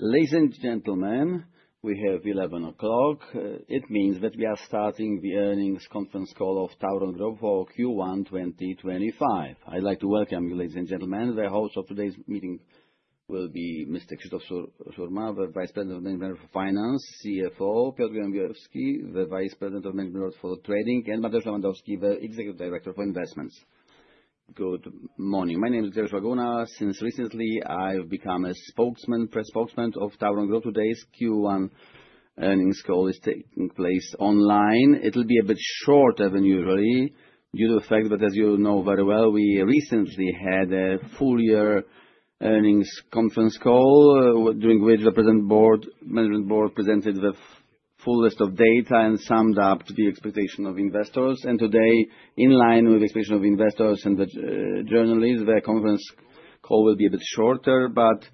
Ladies and gentlemen, we have 11:00 A.M. It means that we are starting the earnings conference call of TAURON Group for Q1 2025. I'd like to welcome you, ladies and gentlemen. The host of today's meeting will be Mr. Krzysztof Surma, the Vice President of Management for Finance, CFO; Piotr Gołębiowski, the Vice President of Management for Trading; and Mateusz Lewandowski, the Executive Director for Investments. Good morning. My name is Grzegorz Łaguna. Since recently, I've become a spokesman, press spokesman of TAURON Group. Today's Q1 earnings call is taking place online. It'll be a bit shorter than usually due to the fact that, as you know very well, we recently had a full-year earnings conference call during which the present board, management board, presented the full list of data and summed up the expectation of investors. Today, in line with the expectation of investors and the journalists, the conference call will be a bit shorter, but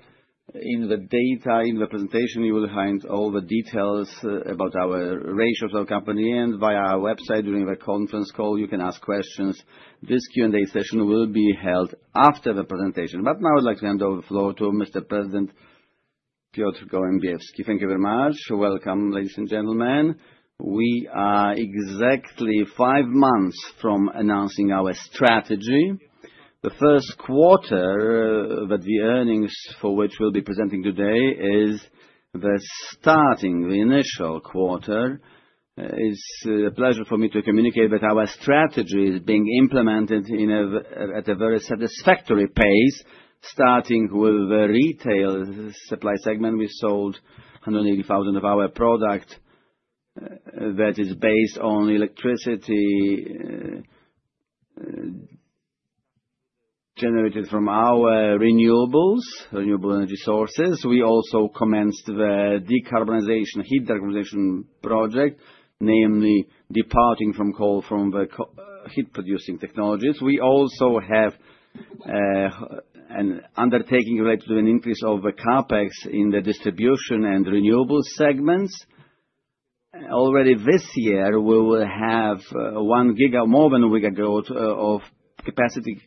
in the data, in the presentation, you will find all the details about our ratios of our company. Via our website during the conference call, you can ask questions. This Q&A session will be held after the presentation. Now I'd like to hand over the floor to Mr. President Piotr Gołębiowski. Thank you very much. Welcome, ladies and gentlemen. We are exactly five months from announcing our strategy. The first quarter that the earnings for which we'll be presenting today is starting the initial quarter. It's a pleasure for me to communicate that our strategy is being implemented at a very satisfactory pace, starting with the retail supply segment. We sold 180,000 of our product that is based on electricity generated from our renewables, renewable energy sources. We also commenced the decarbonization, heat decarbonization project, namely departing from coal from the heat-producing technologies. We also have an undertaking related to an increase of the CapEx in the distribution and renewable segments. Already this year, we will have one giga, more than a giga growth of capacity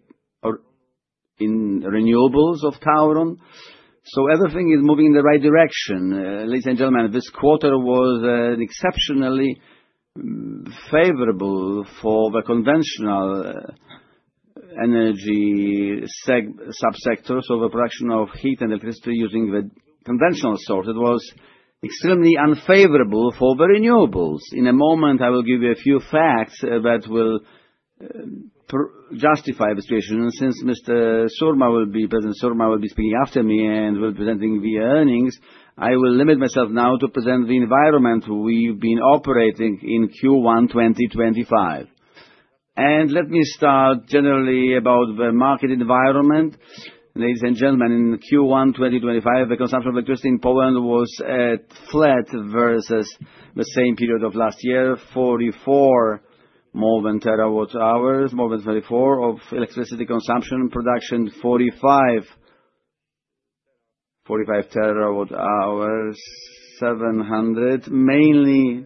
in renewables of TAURON. Everything is moving in the right direction. Ladies and gentlemen, this quarter was exceptionally favorable for the conventional energy subsector, the production of heat and electricity using the conventional source. It was extremely unfavorable for the renewables. In a moment, I will give you a few facts that will justify the situation. Since Mr. Surma will be present, Surma will be speaking after me and will be presenting the earnings. I will limit myself now to present the environment we have been operating in Q1 2025. Let me start generally about the market environment. Ladies and gentlemen, in Q1 2025, the consumption of electricity in Poland was flat versus the same period of last year: 44 more than terawatt hour, more than 24 TWh of electricity consumption, production 45 TWh, 700 TWh mainly.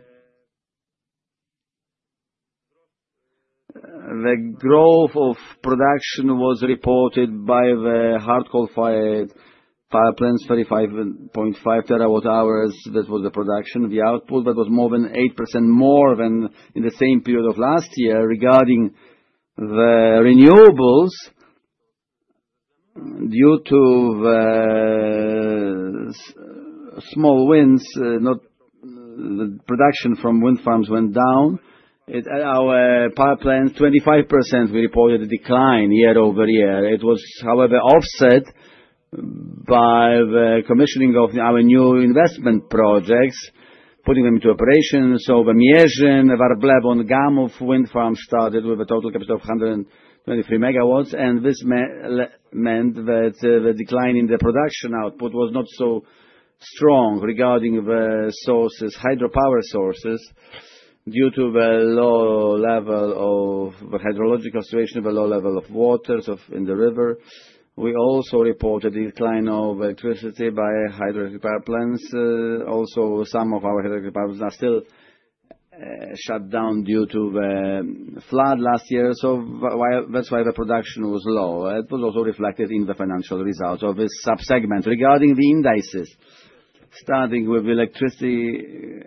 The growth of production was reported by the hard coal-fired power plants, 35.5 TWh. That was the production. The output, that was more than 8% more than in the same period of last year regarding the renewables. Due to the small winds, the production from wind farms went down. Our power plants, 25%, we reported a decline year-over-year. It was, however, offset by the commissioning of our new investment projects, putting them into operation. The Mierzyn, Warblewo, and Gamów wind farms started with a total capacity of 123 MW. This meant that the decline in the production output was not so strong regarding the sources, hydropower sources, due to the low level of the hydrological situation, the low level of waters in the river. We also reported a decline of electricity by hydroelectric power plants. Also, some of our hydroelectric power plants are still shut down due to the flood last year. That is why the production was low. It was also reflected in the financial results of this subsegment. Regarding the indices, starting with electricity,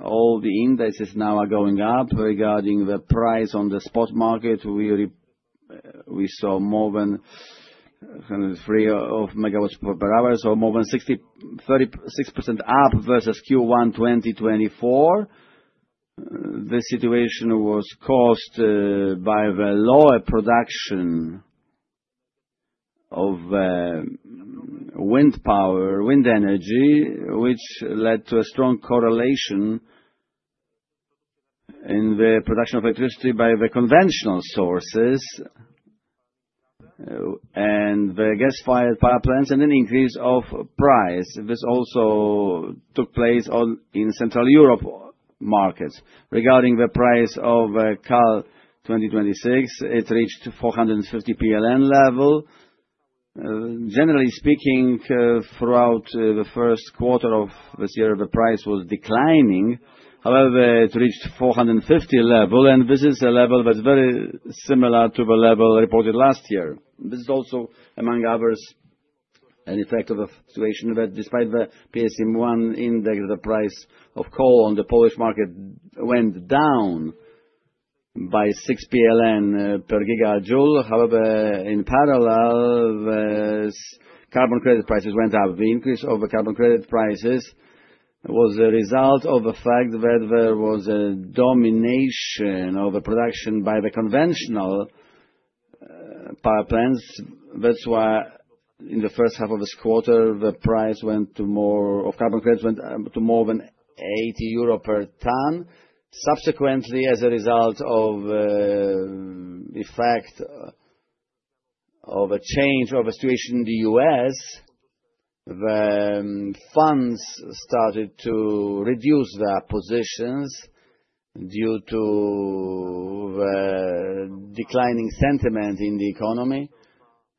all the indices now are going up. Regarding the price on the spot market, we saw more than 103 per MWh, so more than 36% up versus Q1 2024. This situation was caused by the lower production of wind power, wind energy, which led to a strong correlation in the production of electricity by the conventional sources and the gas-fired power plants, and an increase of price. This also took place in Central Europe markets. Regarding the price of coal 2026, it reached 450 PLN level. Generally speaking, throughout the first quarter of this year, the price was declining. However, it reached 450 level, and this is a level that's very similar to the level reported last year. This is also, among others, an effect of the situation that despite the PSM1 index, the price of coal on the Polish market went down by 6 PLN per GJ. However, in parallel, the carbon credit prices went up. The increase of the carbon credit prices was the result of the fact that there was a domination of the production by the conventional power plants. That is why in the first half of this quarter, the price of carbon credit went to more than 80 euro per ton. Subsequently, as a result of the effect of a change of the situation in the U.S., the funds started to reduce their positions due to the declining sentiment in the economy,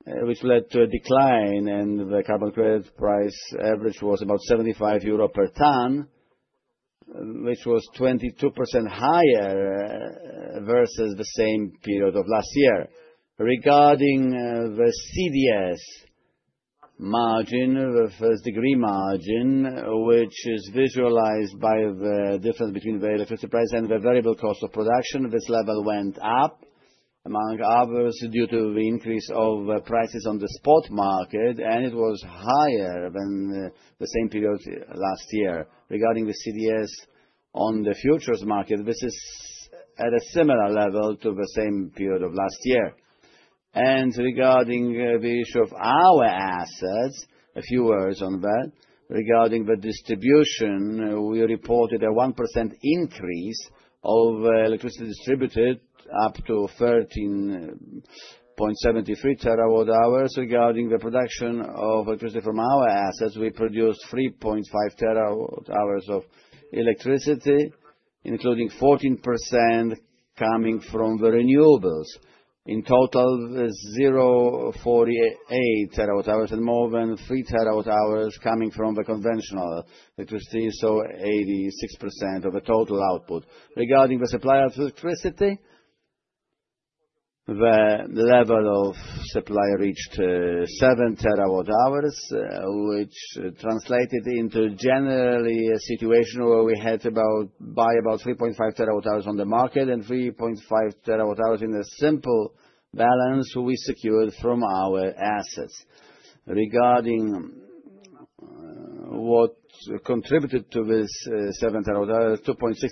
which led to a decline. The carbon credit price average was about 75 euro per ton, which was 22% higher versus the same period of last year. Regarding the CDS margin, the first-degree margin, which is visualized by the difference between the electricity price and the variable cost of production, this level went up, among others, due to the increase of prices on the spot market, and it was higher than the same period last year. Regarding the CDS on the futures market, this is at a similar level to the same period of last year. Regarding the issue of our assets, a few words on that. Regarding the distribution, we reported a 1% increase of electricity distributed up to 13.73 TWh. Regarding the production of electricity from our assets, we produced 3.5 TWh of electricity, including 14% coming from the renewables. In total, 0.48 TWh and more than 3 TWh coming from the conventional electricity, so 86% of the total output. Regarding the supply of electricity, the level of supply reached 7 TWh, which translated into generally a situation where we had about 3.5 TWh on the market and 3.5 TWh in the simple balance we secured from our assets. Regarding what contributed to this 7 TWh, 2.6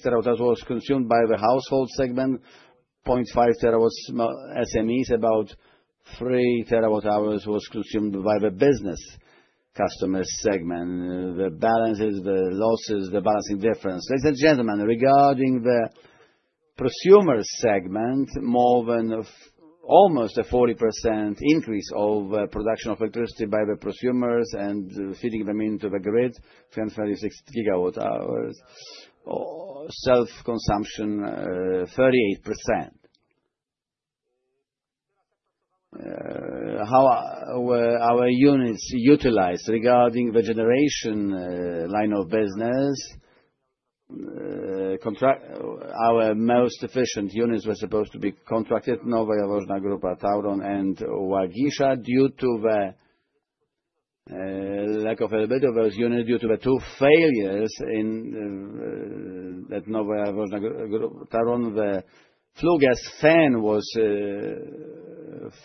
TWh was consumed by the household segment, 0.5 TW SMEs, about 3 TWh was consumed by the business customer segment. The balances, the losses, the balancing difference. Ladies and gentlemen, regarding the prosumer segment, more than almost a 40% increase of production of electricity by the prosumers and feeding them into the grid, 25 GWh-60 GWh. Self-consumption, 38%. How our units utilized regarding the generation line of business, our most efficient units were supposed to be contracted: Nowe Jaworzno Grupa TAURON, and Łagisza. Due to the lack of availability of those units, due to the two failures in that Nowe Jaworzno Grupa TAURON, the flue gas fan was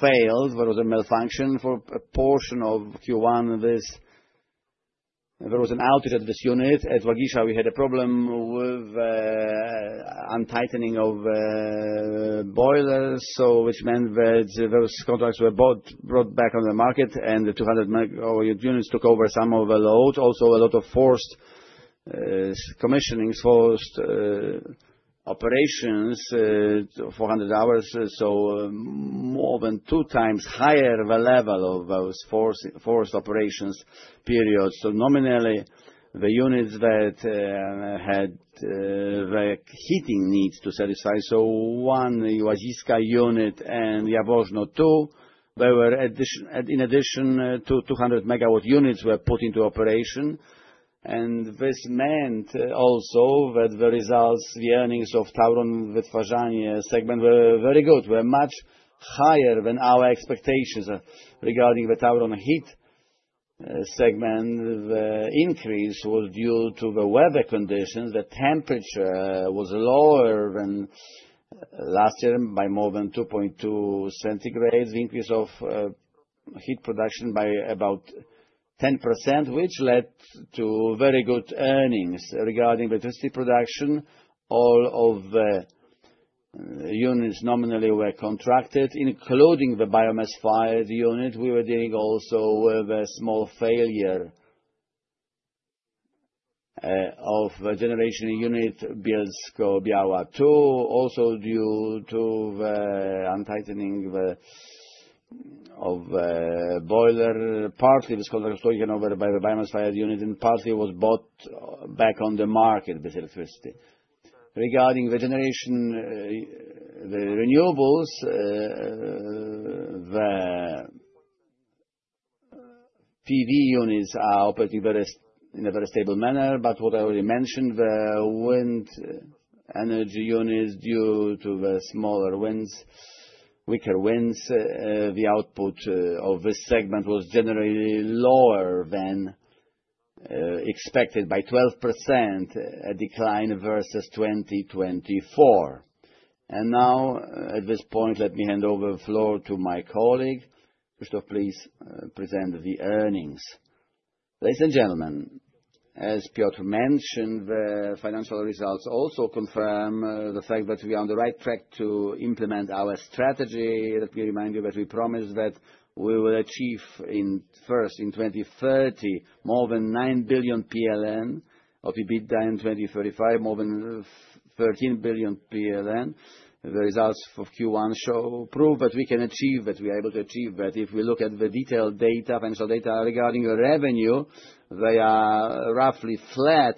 failed. There was a malfunction for a portion of Q1. There was an outage at this unit. At Łagisza, we had a problem with the untightening of boilers, which meant that those contracts were brought back on the market, and the 200 MW units took over some of the load. Also, a lot of forced commissionings, forced operations, 400 hours, so more than 2x higher the level of those forced operations periods. Nominally, the units that had the heating needs to satisfy, so one Łagisza unit and Jaworzno II, they were in addition to 200 MW units were put into operation. This meant also that the results, the earnings of TAURON Wytwarzanie segment were very good, were much higher than our expectations. Regarding the TAURON heat segment, the increase was due to the weather conditions. The temperature was lower than last year by more than 2.2 centigrades. The increase of heat production by about 10%, which led to very good earnings. Regarding electricity production, all of the units nominally were contracted, including the biomass-fired unit. We were dealing also with a small failure of the generation unit, Bielsko-Biała 2, also due to the untightening of the boiler. Partly this contract was taken over by the biomass-fired unit, and partly it was bought back on the market, this electricity. Regarding the generation, the renewables, the PV units are operating in a very stable manner. What I already mentioned, the wind energy units, due to the smaller winds, weaker winds, the output of this segment was generally lower than expected by 12%, a decline versus 2024. At this point, let me hand over the floor to my colleague. Krzysztof, please present the earnings. Ladies and gentlemen, as Piotr mentioned, the financial results also confirm the fact that we are on the right track to implement our strategy. Let me remind you that we promised that we will achieve first in 2030 more than 9 billion PLN of EBITDA, in 2035 more than 13 billion PLN. The results of Q1 show proof that we can achieve that, we are able to achieve that. If we look at the detailed data, financial data regarding revenue, they are roughly flat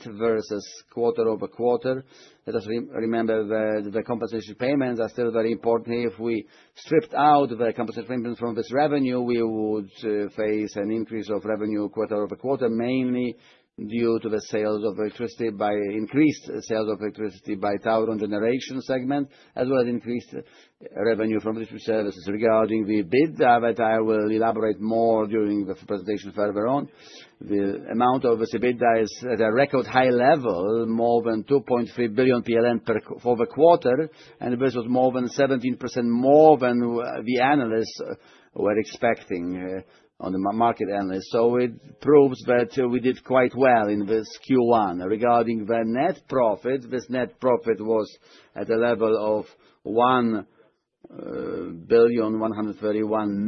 quarter-over-quarter. Let us remember that the compensation payments are still very important. If we stripped out the compensation payments from this revenue, we would face an increase of revenue quarter-over-quarter, mainly due to the sales of electricity by increased sales of electricity by TAURON generation segment, as well as increased revenue from this service. Regarding the EBITDA, that I will elaborate more during the presentation further on. The amount of this EBITDA is at a record high level, more than 2.3 billion PLN for the quarter, and this was more than 17% more than the analysts were expecting on the market analysts. It proves that we did quite well in this Q1. Regarding the net profit, this net profit was at a level of 1 .131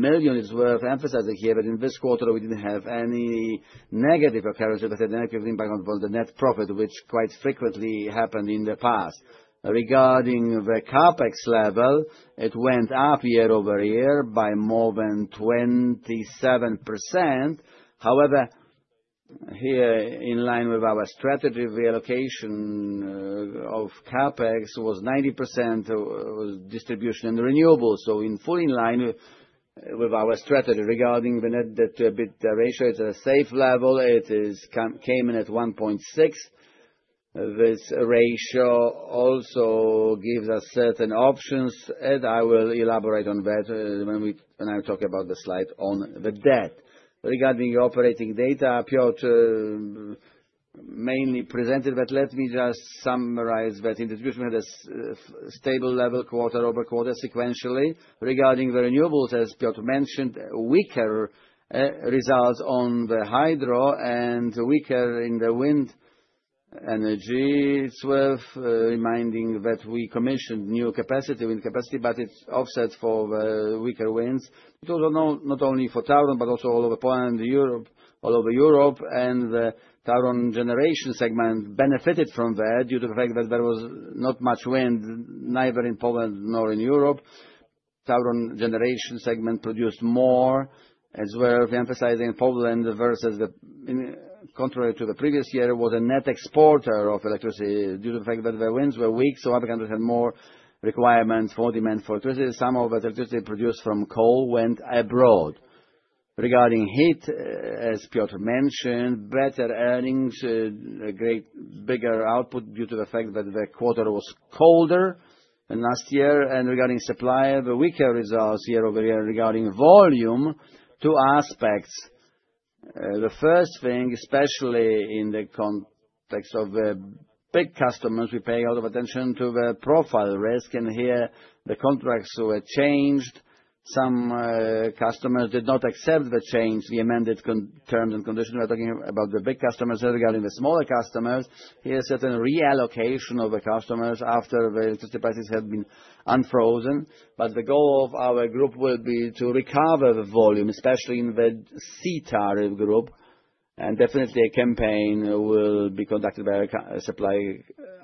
billion. It's worth emphasizing here that in this quarter, we didn't have any negative occurrence. As I said, negative impact on the net profit, which quite frequently happened in the past. Regarding the CapEx level, it went up year-over-year by more than 27%. However, here in line with our strategy, the allocation of CapEx was 90% distribution and renewables. In full in line with our strategy. Regarding the net debt to EBITDA ratio, it's at a safe level. It came in at 1.6. This ratio also gives us certain options, and I will elaborate on that when I talk about the slide on the debt. Regarding the operating data, Piotr mainly presented, but let me just summarize that in distribution, we had a stable level quarter-over-quarter sequentially. Regarding the renewables, as Piotr mentioned, weaker results on the hydro and weaker in the wind energy. It's worth reminding that we commissioned new capacity, wind capacity, but it offset for the weaker winds. It was not only for TAURON, but also all over Poland and Europe, all over Europe. The TAURON generation segment benefited from that due to the fact that there was not much wind, neither in Poland nor in Europe. The TAURON generation segment produced more as well. Emphasizing Poland versus contrary to the previous year, it was a net exporter of electricity due to the fact that the winds were weak, so other countries had more requirements for demand for electricity. Some of the electricity produced from coal went abroad. Regarding heat, as Piotr mentioned, better earnings, a great bigger output due to the fact that the quarter was colder than last year. Regarding supply, the weaker results year-over-year. Regarding volume, two aspects. The first thing, especially in the context of the big customers, we pay a lot of attention to the profile risk, and here the contracts were changed. Some customers did not accept the change. We amended terms and conditions. We are talking about the big customers. Regarding the smaller customers, here is certain reallocation of the customers after the electricity prices had been unfrozen. The goal of our group will be to recover the volume, especially in the C tariff group. Definitely, a campaign will be conducted by a supply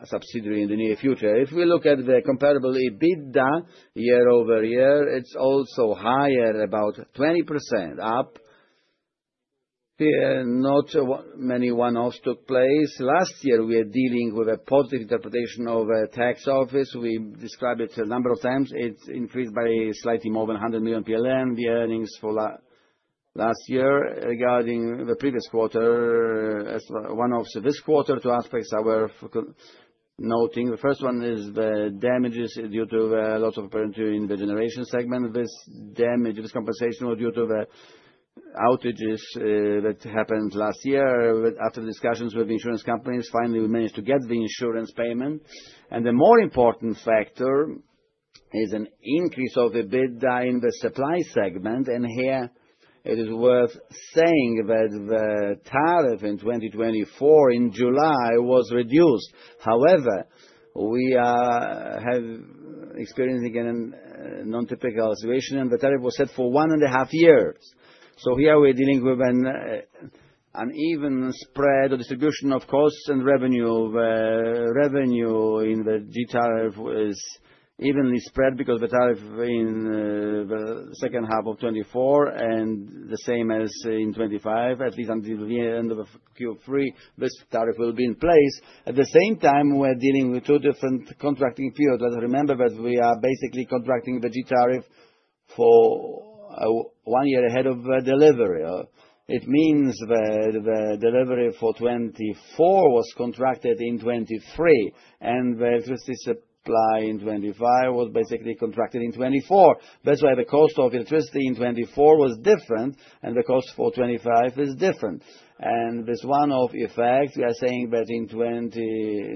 subsidiary in the near future. If we look at the comparable EBITDA year-over-year, it is also higher, about 20% up. Here, not many one-offs took place. Last year, we are dealing with a positive interpretation of a tax office. We described it a number of times. It increased by slightly more than 100 million PLN, the earnings for last year. Regarding the previous quarter, one of this quarter two aspects I were noting. The first one is the damages due to a lot of apparently in the generation segment. This damage, this compensation was due to the outages that happened last year. After discussions with the insurance companies, finally, we managed to get the insurance payment. The more important factor is an increase of EBITDA in the supply segment. Here, it is worth saying that the tariff in 2024 in July was reduced. However, we are experiencing a non-typical situation, and the tariff was set for one and a half years. Here, we are dealing with an uneven spread or distribution of costs and revenue. The revenue in the G tariff is evenly spread because the tariff in the second half of 2024 and the same as in 2025, at least until the end of Q3, this tariff will be in place. At the same time, we are dealing with two different contracting periods. Let us remember that we are basically contracting the G tariff for one year ahead of delivery. It means that the delivery for 2024 was contracted in 2023, and the electricity supply in 2025 was basically contracted in 2024. That's why the cost of electricity in 2024 was different, and the cost for 2025 is different. This one-off effect, we are saying that in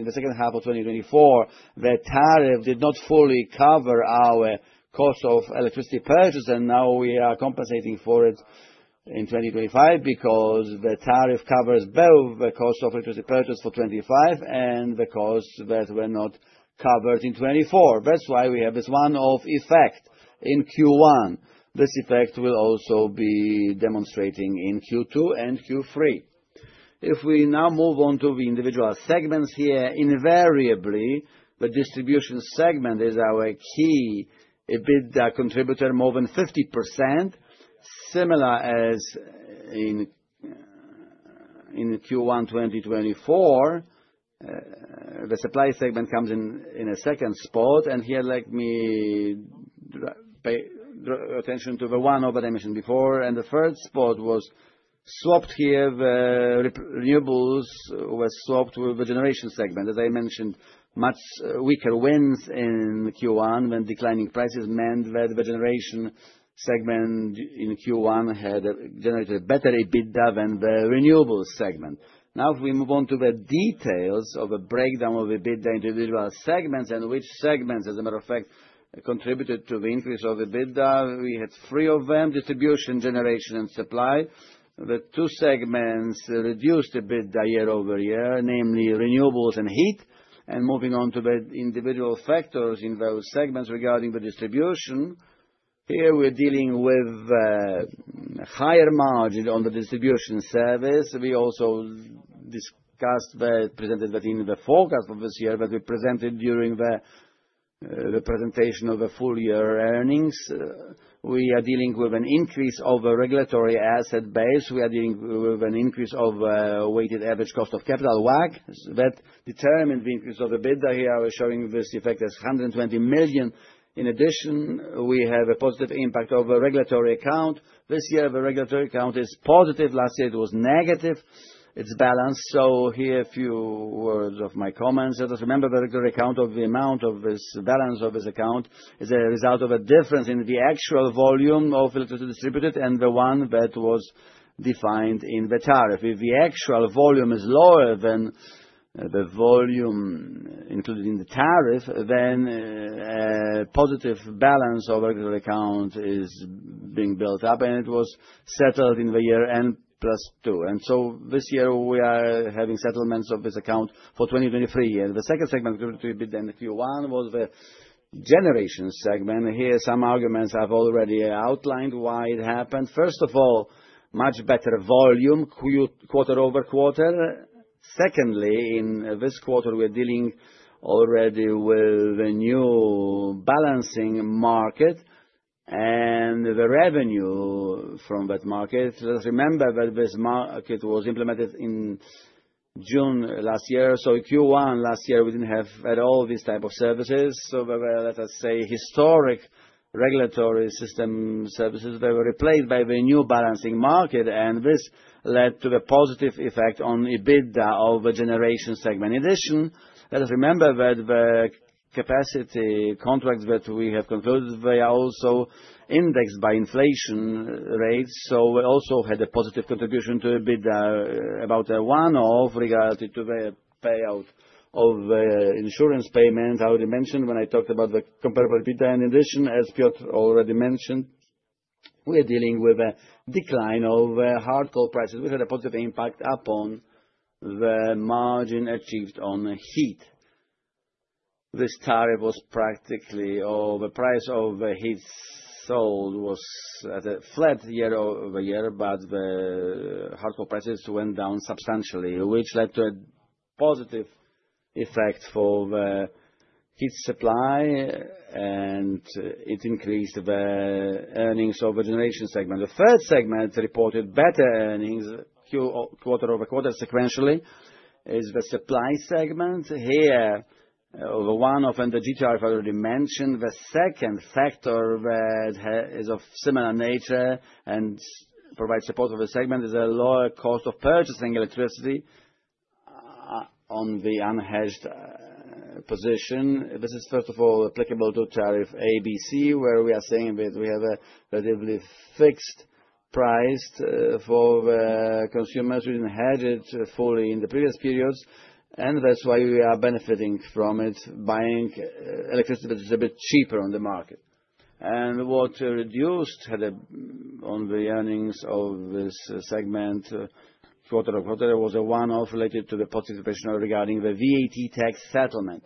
the second half of 2024, the tariff did not fully cover our cost of electricity purchase, and now we are compensating for it in 2025 because the tariff covers both the cost of electricity purchase for 2025 and the costs that were not covered in 2024. That is why we have this one-off effect in Q1. This effect will also be demonstrating in Q2 and Q3. If we now move on to the individual segments here, invariably, the distribution segment is our key EBITDA contributor, more than 50%. Similar as in Q1 2024, the supply segment comes in a second spot. Here, let me draw attention to the one-off that I mentioned before. The third spot was swapped here. The renewables were swapped with the generation segment. As I mentioned, much weaker winds in Q1 when declining prices meant that the generation segment in Q1 had generated a better EBITDA than the renewables segment. Now, if we move on to the details of a breakdown of EBITDA individual segments and which segments, as a matter of fact, contributed to the increase of EBITDA, we had three of them: Distribution, Generation, and Supply. The two segments reduced EBITDA year-over-year, namely Renewables and Heat. Moving on to the individual factors in those segments regarding the distribution, here we're dealing with a higher margin on the distribution service. We also discussed that, presented that in the forecast for this year that we presented during the presentation of the full year earnings. We are dealing with an increase of the regulatory asset base. We are dealing with an increase of weighted average cost of capital, WACC, that determined the increase of EBITDA. Here I was showing this effect as 120 million. In addition, we have a positive impact of the regulatory account. This year, the regulatory account is positive. Last year, it was negative. It is balanced. Here, a few words of my comments. Let us remember the regulatory account, the amount of this balance of this account is a result of a difference in the actual volume of electricity distributed and the one that was defined in the tariff. If the actual volume is lower than the volume included in the tariff, then a positive balance of the regulatory account is being built up, and it was settled in the year N+2. This year, we are having settlements of this account for 2023. The second segment to EBITDA in Q1 was the generation segment. Here, some arguments I've already outlined why it happened. First of all, much better volume, quarter-over-quarter. Secondly, in this quarter, we are dealing already with a new balancing market and the revenue from that market. Let us remember that this market was implemented in June last year. In Q1 last year, we did not have at all these types of services. There were, let us say, historic regulatory system services that were replaced by the new balancing market, and this led to a positive effect on EBITDA of the generation segment. In addition, let us remember that the capacity contracts that we have concluded, they are also indexed by inflation rates. We also had a positive contribution to EBITDA, about a one-off regarding the payout of the insurance payments. I already mentioned when I talked about the comparable EBITDA. In addition, as Piotr already mentioned, we are dealing with a decline of hard coal prices, which had a positive impact upon the margin achieved on heat. This tariff was practically, or the price of heat sold was, flat year-over-year, but the hard coal prices went down substantially, which led to a positive effect for the heat supply, and it increased the earnings of the generation segment. The third segment that reported better earnings quarter-over-quarter sequentially is the supply segment. Here, the one-off and the G tariff I already mentioned. The second factor that is of similar nature and provides support for the segment is a lower cost of purchasing electricity on the unhedged position. This is, first of all, applicable to tariff A, B, C, where we are saying that we have a relatively fixed price for consumers who did not hedge it fully in the previous periods, and that is why we are benefiting from it, buying electricity that is a bit cheaper on the market. What reduced on the earnings of this segment quarter-over-quarter was a one-off related to the positive information regarding the VAT tax settlement.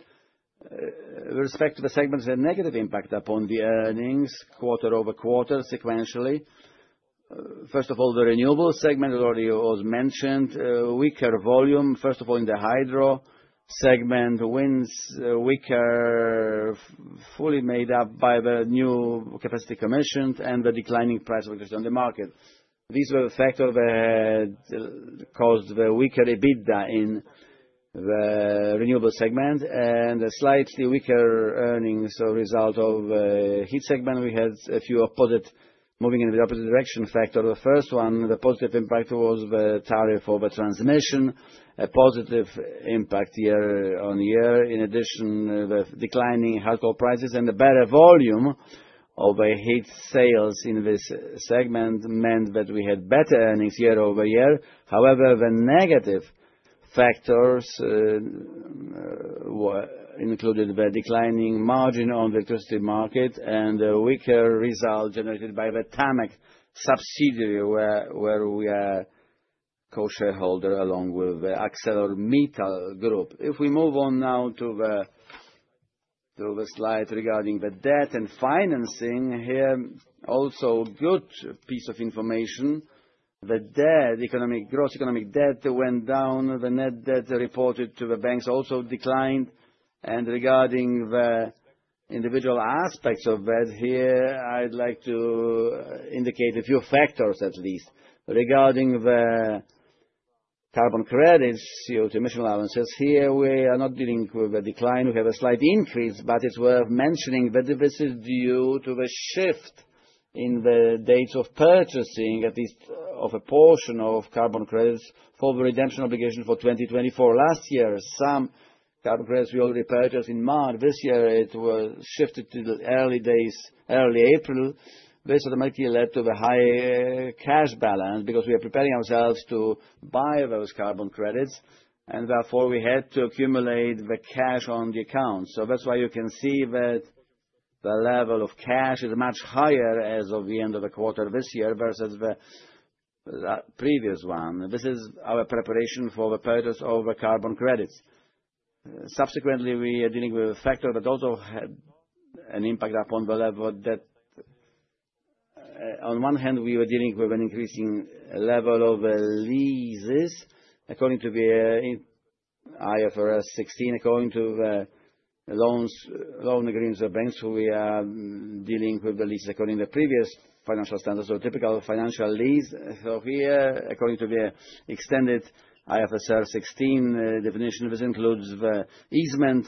With respect to the segments, a negative impact upon the earnings quarter-over-quarter sequentially. First of all, the Renewable segment already was mentioned. Weaker volume, first of all, in the Hydro segment, winds weaker fully made up by the new capacity commissioned and the declining price of electricity on the market. These were the factors that caused the weaker EBITDA in the Renewables segment and a slightly weaker earnings result of the Heat segment. We had a few opposite, moving in the opposite direction, factors. The first one, the positive impact, was the tariff of the transmission, a positive impact year on year. In addition, the declining hard coal prices and the better volume of heat sales in this segment meant that we had better earnings year-over-year. However, the negative factors included the declining margin on the electricity market and the weaker result generated by the TAMEH subsidiary where we are co-shareholder along with the ArcelorMittal Group. If we move on now to the slide regarding the debt and financing, here also a good piece of information. The debt, economic gross economic debt, went down. The net debt reported to the banks also declined. Regarding the individual aspects of that, here I'd like to indicate a few factors at least. Regarding the carbon credits, CO2 emission allowances, here we are not dealing with a decline. We have a slight increase, but it's worth mentioning that this is due to the shift in the dates of purchasing, at least of a portion of carbon credits for the redemption obligation for 2024. Last year, some carbon credits we already purchased in March. This year, it was shifted to the early days, early April. This automatically led to a higher cash balance because we are preparing ourselves to buy those carbon credits, and therefore we had to accumulate the cash on the account. That's why you can see that the level of cash is much higher as of the end of the quarter this year versus the previous one. This is our preparation for the purchase of the carbon credits. Subsequently, we are dealing with a factor that also had an impact upon the level that, on one hand, we were dealing with an increasing level of leases. According to IFRS 16, according to the loan agreements of banks, we are dealing with the leases according to the previous financial standards, so typical financial lease. Here, according to the extended IFRS 16 definition, this includes the easement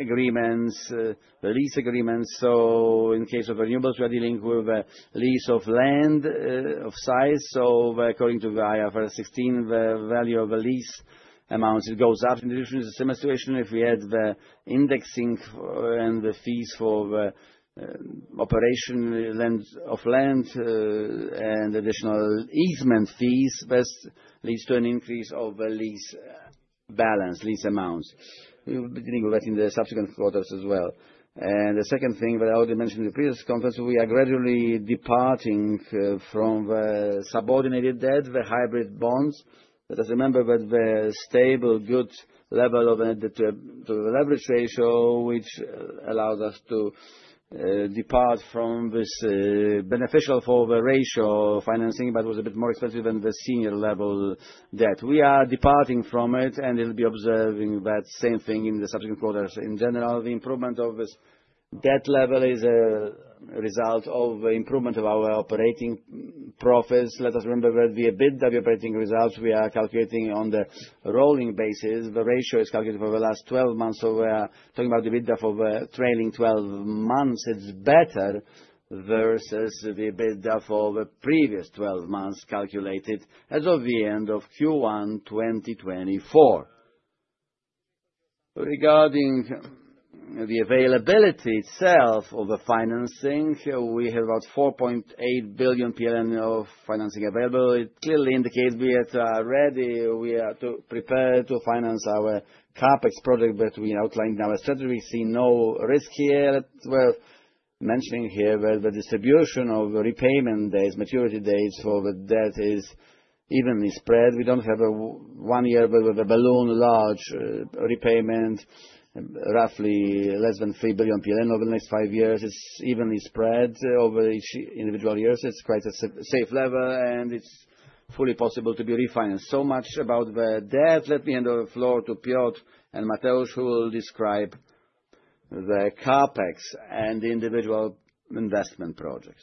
agreements, the lease agreements. In case of renewables, we are dealing with the lease of land of size. According to IFRS 16, the value of the lease amounts goes up. In addition, in the similar situation, if we add the indexing and the fees for operation of land and additional easement fees, this leads to an increase of the lease balance, lease amounts. We'll be dealing with that in the subsequent quarters as well. The second thing that I already mentioned in the previous conference, we are gradually departing from the subordinated debt, the hybrid bonds. Let us remember that the stable good level of a leverage ratio, which allows us to depart from this, is beneficial for the ratio of financing, but it was a bit more expensive than the senior level debt. We are departing from it, and we'll be observing that same thing in the subsequent quarters. In general, the improvement of this debt level is a result of the improvement of our operating profits. Let us remember that the EBITDA of the operating results we are calculating on the rolling basis. The ratio is calculated for the last 12 months, so we are talking about the EBITDA for the trailing 12 months. It's better versus the EBITDA for the previous 12 months calculated as of the end of Q1 2024. Regarding the availability itself of the financing, we have about 4.8 billion PLN of financing available. It clearly indicates we are ready. We are prepared to finance our CapEx project that we outlined in our strategy. We see no risk here. We're mentioning here that the distribution of repayment days, maturity days for the debt is evenly spread. We don't have a one-year, but with a balloon large repayment, roughly less than 3 billion PLN over the next five years. It's evenly spread over each individual year. It's quite a safe level, and it's fully possible to be refinanced. So much about the debt. Let me hand over the floor to Piotr and Mateusz, who will describe the CapEx and the individual investment projects.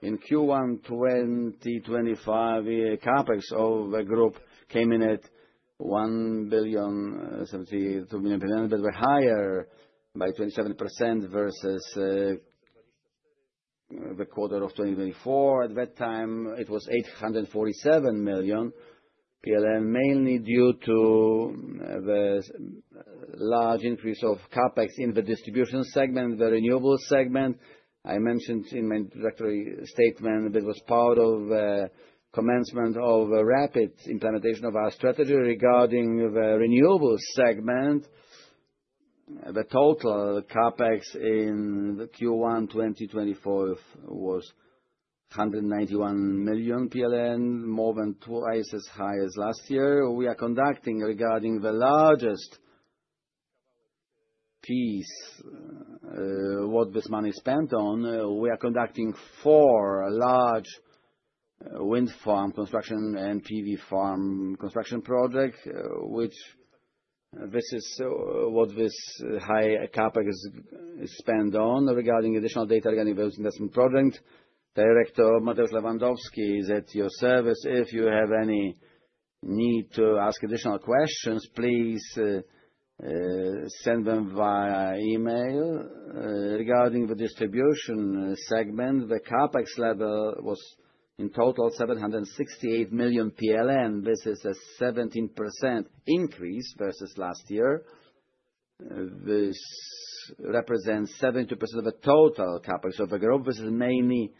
In Q1 2025, the CapEx of the group came in at 1.72 billion, but were higher by 27% versus the quarter of 2024. At that time, it was 847 million, mainly due to the large increase of CapEx in the distribution segment, the renewable segment. I mentioned in my directory statement that it was part of the commencement of a rapid implementation of our strategy regarding the renewable segment. The total CapEx in Q1 2024 was 191 million PLN, more than twice as high as last year. We are conducting, regarding the largest piece, what this money is spent on. We are conducting four large wind farm construction and PV farm construction projects, which this is what this high CapEx is spent on. Regarding additional data regarding those investment projects, Director Mateusz Lewandowski is at your service. If you have any need to ask additional questions, please send them via email. Regarding the distribution segment, the CapEx level was in total 768 million PLN. This is a 17% increase versus last year. This represents 72% of the total CapEx of the group. This is mainly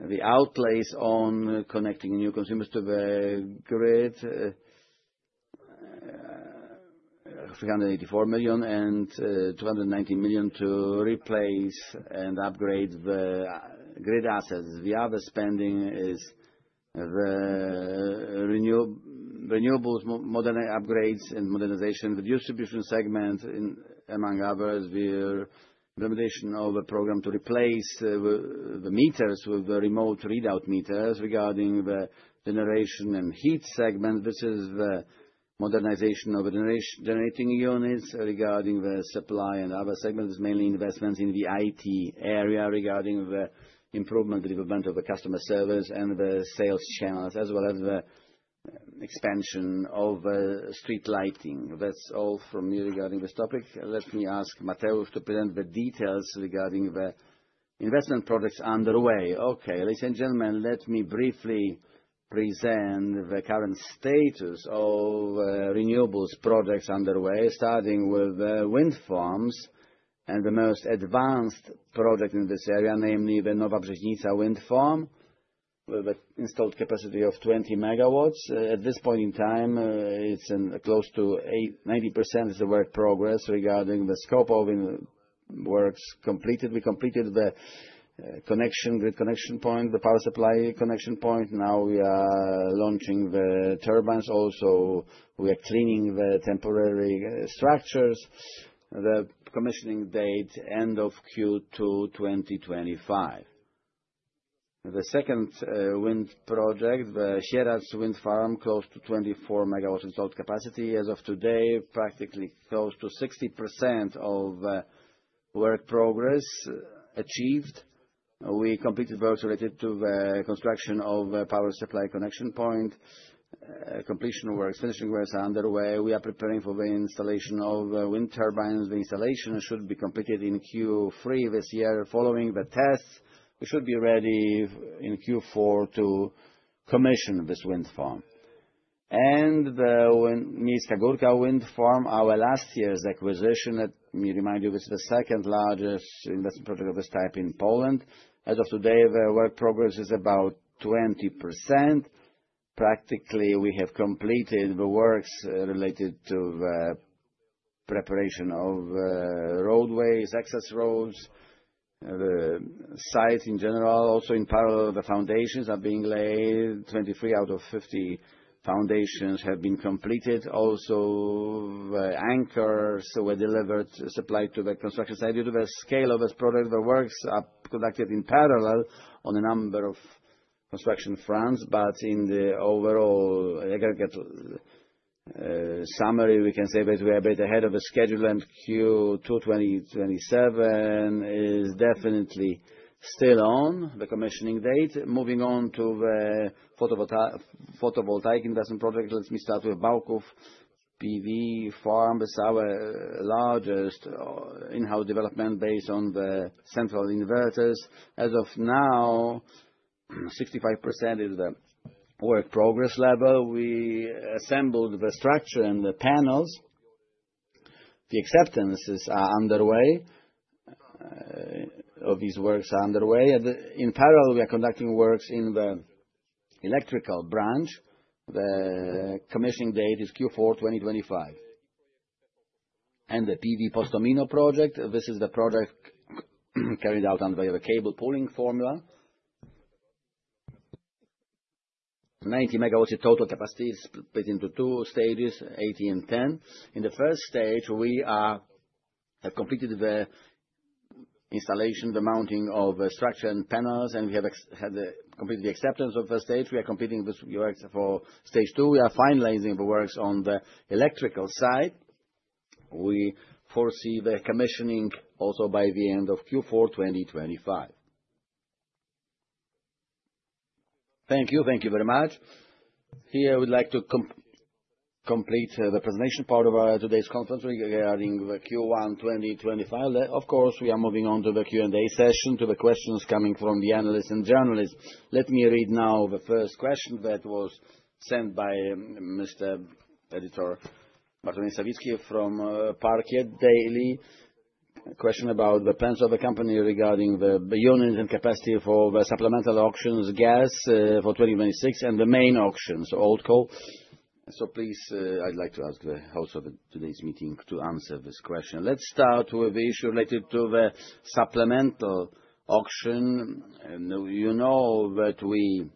the outlays on connecting new consumers to the grid, 384 million and 219 million to replace and upgrade the grid assets. The other spending is the renewables, modern upgrades and modernization of the distribution segment, among others. We are implementation of a program to replace the meters with the remote readout meters regarding the generation and heat segment. This is the modernization of the generating units regarding the supply and other segments, mainly investments in the IT area regarding the improvement and development of the customer service and the sales channels, as well as the expansion of street lighting. That's all from me regarding this topic. Let me ask Mateusz to present the details regarding the investment projects underway. Okay, ladies and gentlemen, let me briefly present the current status of renewables projects underway, starting with the wind farms and the most advanced project in this area, namely the Nowa Brzeźnica wind farm, with an installed capacity of 20 MW. At this point in time, it's close to 90% is the work progress regarding the scope of works completed. We completed the connection, grid connection point, the power supply connection point. Now we are launching the turbines. Also, we are cleaning the temporary structures. The commissioning date is the end of Q2 2025. The second wind project, the Sieradz wind farm, close to 24 MW installed capacity. As of today, practically close to 60% of work progress achieved. We completed the works related to the construction of the power supply connection point. Completion works, finishing works are underway. We are preparing for the installation of wind turbines. The installation should be completed in Q3 this year. Following the tests, we should be ready in Q4 to commission this wind farm. The Miejska Górka wind farm, our last year's acquisition, let me remind you, this is the second largest investment project of this type in Poland. As of today, the work progress is about 20%. Practically, we have completed the works related to the preparation of roadways, access roads, the site in general. Also, in parallel, the foundations are being laid. 23 out of 50 foundations have been completed. The anchors were delivered, supplied to the construction site. Due to the scale of this project, the works are conducted in parallel on a number of construction fronts. In the overall aggregate summary, we can say that we are a bit ahead of the schedule, and Q2 2027 is definitely still on the commissioning date. Moving on to the photovoltaic investment project, let me start with Bałków PV Farm. It's our largest in-house development based on the central inverters. As of now, 65% is the work progress level. We assembled the structure and the panels. The acceptances are underway. These works are underway. In parallel, we are conducting works in the electrical branch. The commissioning date is Q4 2025. The PV Postomino project, this is the project carried out under the cable pooling formula. 90 MW total capacity split into two stages, 80 MW and 10 MW. In the first stage, we have completed the installation, the mounting of structure and panels, and we have completed the acceptance of the first stage. We are completing the works for stage two. We are finalizing the works on the electrical side. We foresee the commissioning also by the end of Q4 2025. Thank you. Thank you very much. Here, I would like to complete the presentation part of today's conference regarding Q1 2025. Of course, we are moving on to the Q&A session, to the questions coming from the analysts and journalists. Let me read now the first question that was sent by Mr. Editor Mateusz Sawicki from Parkiet Daily. A question about the plans of the company regarding the units and capacity for the supplemental auctions gas for 2026 and the main auctions, old coal. Please, I would like to ask the host of today's meeting to answer this question. Let's start with the issue related to the supplemental auction. You know that we,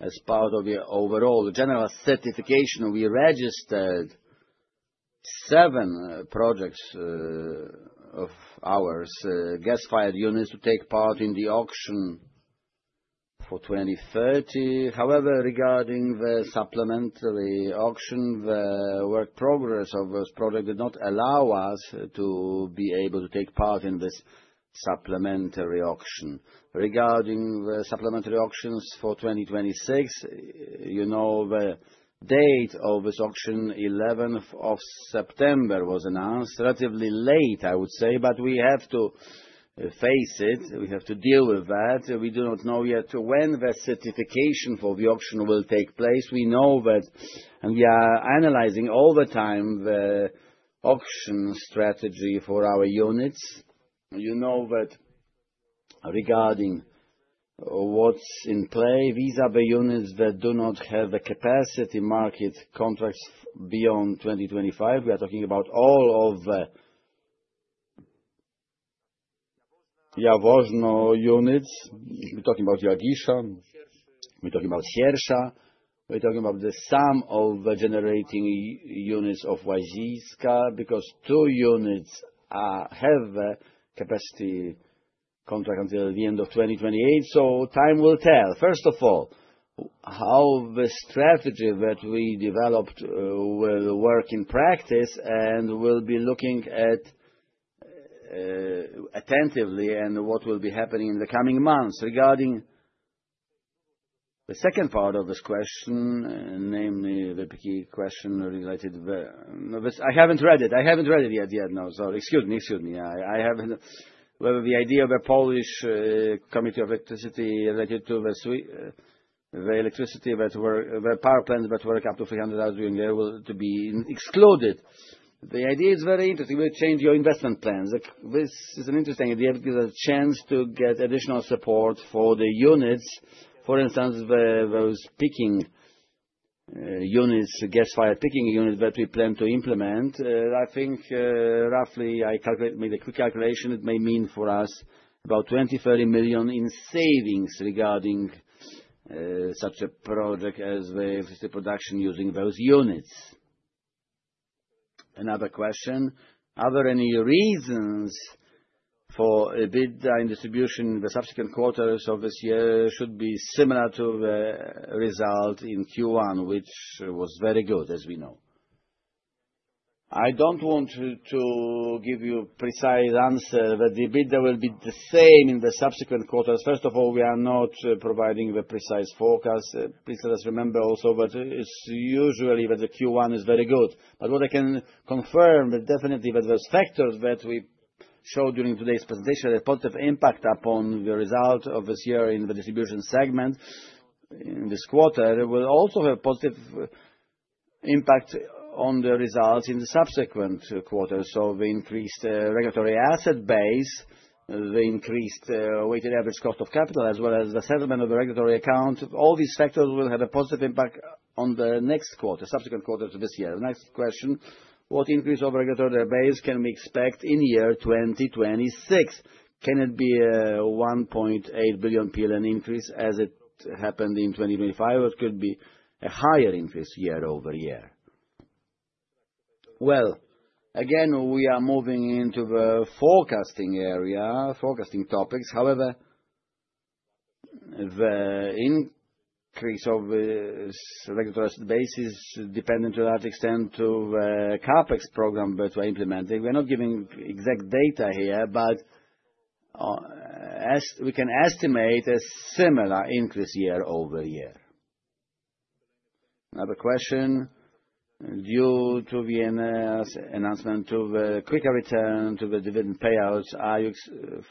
as part of the overall general certification, we registered seven projects of ours, gas-fired units, to take part in the auction for 2030. However, regarding the supplementary auction, the work progress of this project did not allow us to be able to take part in this supplementary auction. Regarding the supplementary auctions for 2026, you know the date of this auction, 11th of September, was announced. Relatively late, I would say, but we have to face it. We have to deal with that. We do not know yet when the certification for the auction will take place. We know that, and we are analyzing all the time the auction strategy for our units. You know that regarding what's in play, these are the units that do not have the capacity market contracts beyond 2025. We are talking about all of the Jaworzno units. We're talking about Łagisza, we're talking about Siersza, we're talking about the sum of the generating units of Łaziska, because two units have the capacity contract until the end of 2028. Time will tell. First of all, how the strategy that we developed will work in practice and we will be looking at attentively what will be happening in the coming months. Regarding the second part of this question, namely the key question related to the. I haven't read it. I haven't read it yet. No, sorry. Excuse me. I haven't. The idea of the Polish Committee of Electricity related to the power plants that work up to [350 grams per kW] a year will be excluded. The idea is very interesting. We will change your investment plans. This is an interesting idea because of the chance to get additional support for the units. For instance, the peaking units, gas-fired peaking units that we plan to implement, I think roughly, I calculated, made a quick calculation, it may mean for us about 20 million-30 million in savings regarding such a project as the production using those units. Another question. Are there any reasons for EBITDA in distribution in the subsequent quarters of this year should be similar to the result in Q1, which was very good, as we know? I do not want to give you a precise answer that the EBITDA will be the same in the subsequent quarters. First of all, we are not providing the precise forecast. Please let us remember also that it is usually that the Q1 is very good. What I can confirm definitely is that those factors that we showed during today's presentation had a positive impact upon the result of this year in the distribution segment in this quarter and will also have a positive impact on the results in the subsequent quarters. We increased the regulatory asset base, we increased the weighted average cost of capital, as well as the settlement of the regulatory account. All these factors will have a positive impact on the next quarter, subsequent quarters of this year. Next question. What increase of regulatory base can we expect in year 2026? Can it be a 1.8 billion PLN increase as it happened in 2025, or could it be a higher increase year-over-year? Again, we are moving into the forecasting area, forecasting topics. However, the increase of the regulatory asset base is dependent to a large extent on the CapEx program that we are implementing. We are not giving exact data here, but we can estimate a similar increase year-over-year. Another question. Due to Enea's announcement of a quicker return to the dividend payouts, are you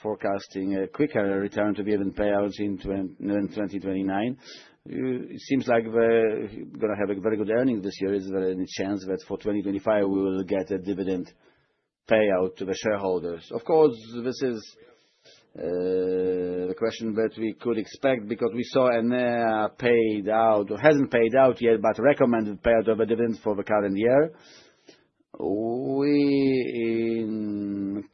forecasting a quicker return to dividend payouts in 2029? It seems like we're going to have a very good earning this year. Is there any chance that for 2025 we will get a dividend payout to the shareholders? Of course, this is the question that we could expect because we saw Enea paid out, hasn't paid out yet, but recommended payout of a dividend for the current year. We, in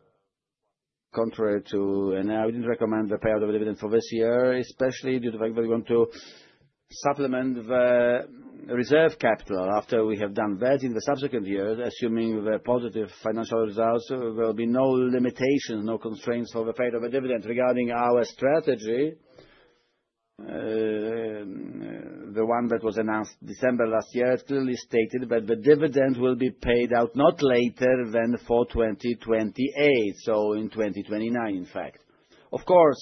contrary to Enea, we did not recommend the payout of a dividend for this year, especially due to the fact that we want to supplement the reserve capital. After we have done that in the subsequent years, assuming the positive financial results, there will be no limitations, no constraints for the payout of a dividend. Regarding our strategy, the one that was announced December last year, it clearly stated that the dividend will be paid out not later than for 2028, so in 2029, in fact. Of course,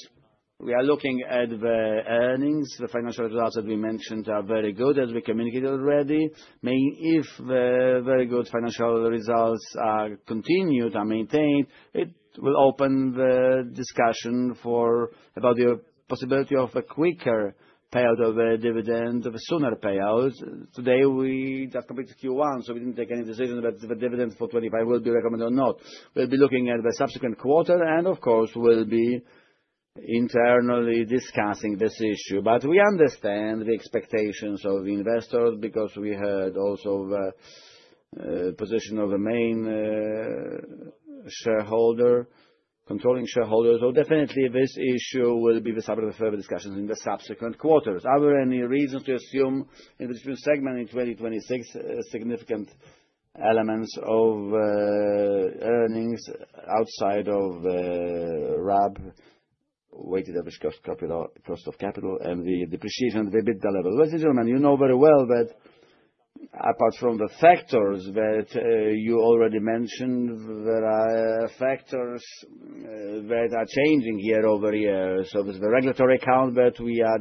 we are looking at the earnings. The financial results that we mentioned are very good, as we communicated already. If the very good financial results are continued and maintained, it will open the discussion about the possibility of a quicker payout of a dividend, of a sooner payout. Today, we just completed Q1, so we did not take any decision that the dividend for 2025 will be recommended or not. We will be looking at the subsequent quarter, and of course, we will be internally discussing this issue. We understand the expectations of investors because we heard also the position of the main shareholder, controlling shareholders. Definitely, this issue will be the subject of further discussions in the subsequent quarters. Are there any reasons to assume in the distribution segment in 2026 significant elements of earnings outside of the RAB, weighted average cost of capital, and the depreciation of the EBITDA level? Ladies and gentlemen, you know very well that apart from the factors that you already mentioned, there are factors that are changing year-over-year. There is the regulatory account that we are,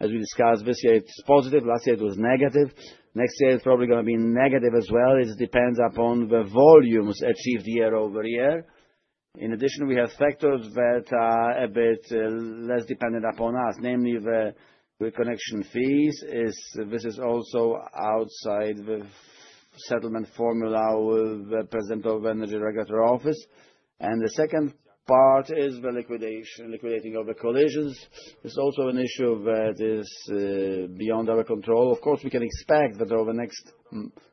as we discussed this year, it is positive. Last year, it was negative. Next year, it's probably going to be negative as well. It depends upon the volumes achieved year-over-year. In addition, we have factors that are a bit less dependent upon us, namely the connection fees. This is also outside the settlement formula with the President of the Energy Regulator Office. The second part is the liquidation of the collisions. It's also an issue that is beyond our control. Of course, we can expect that over the next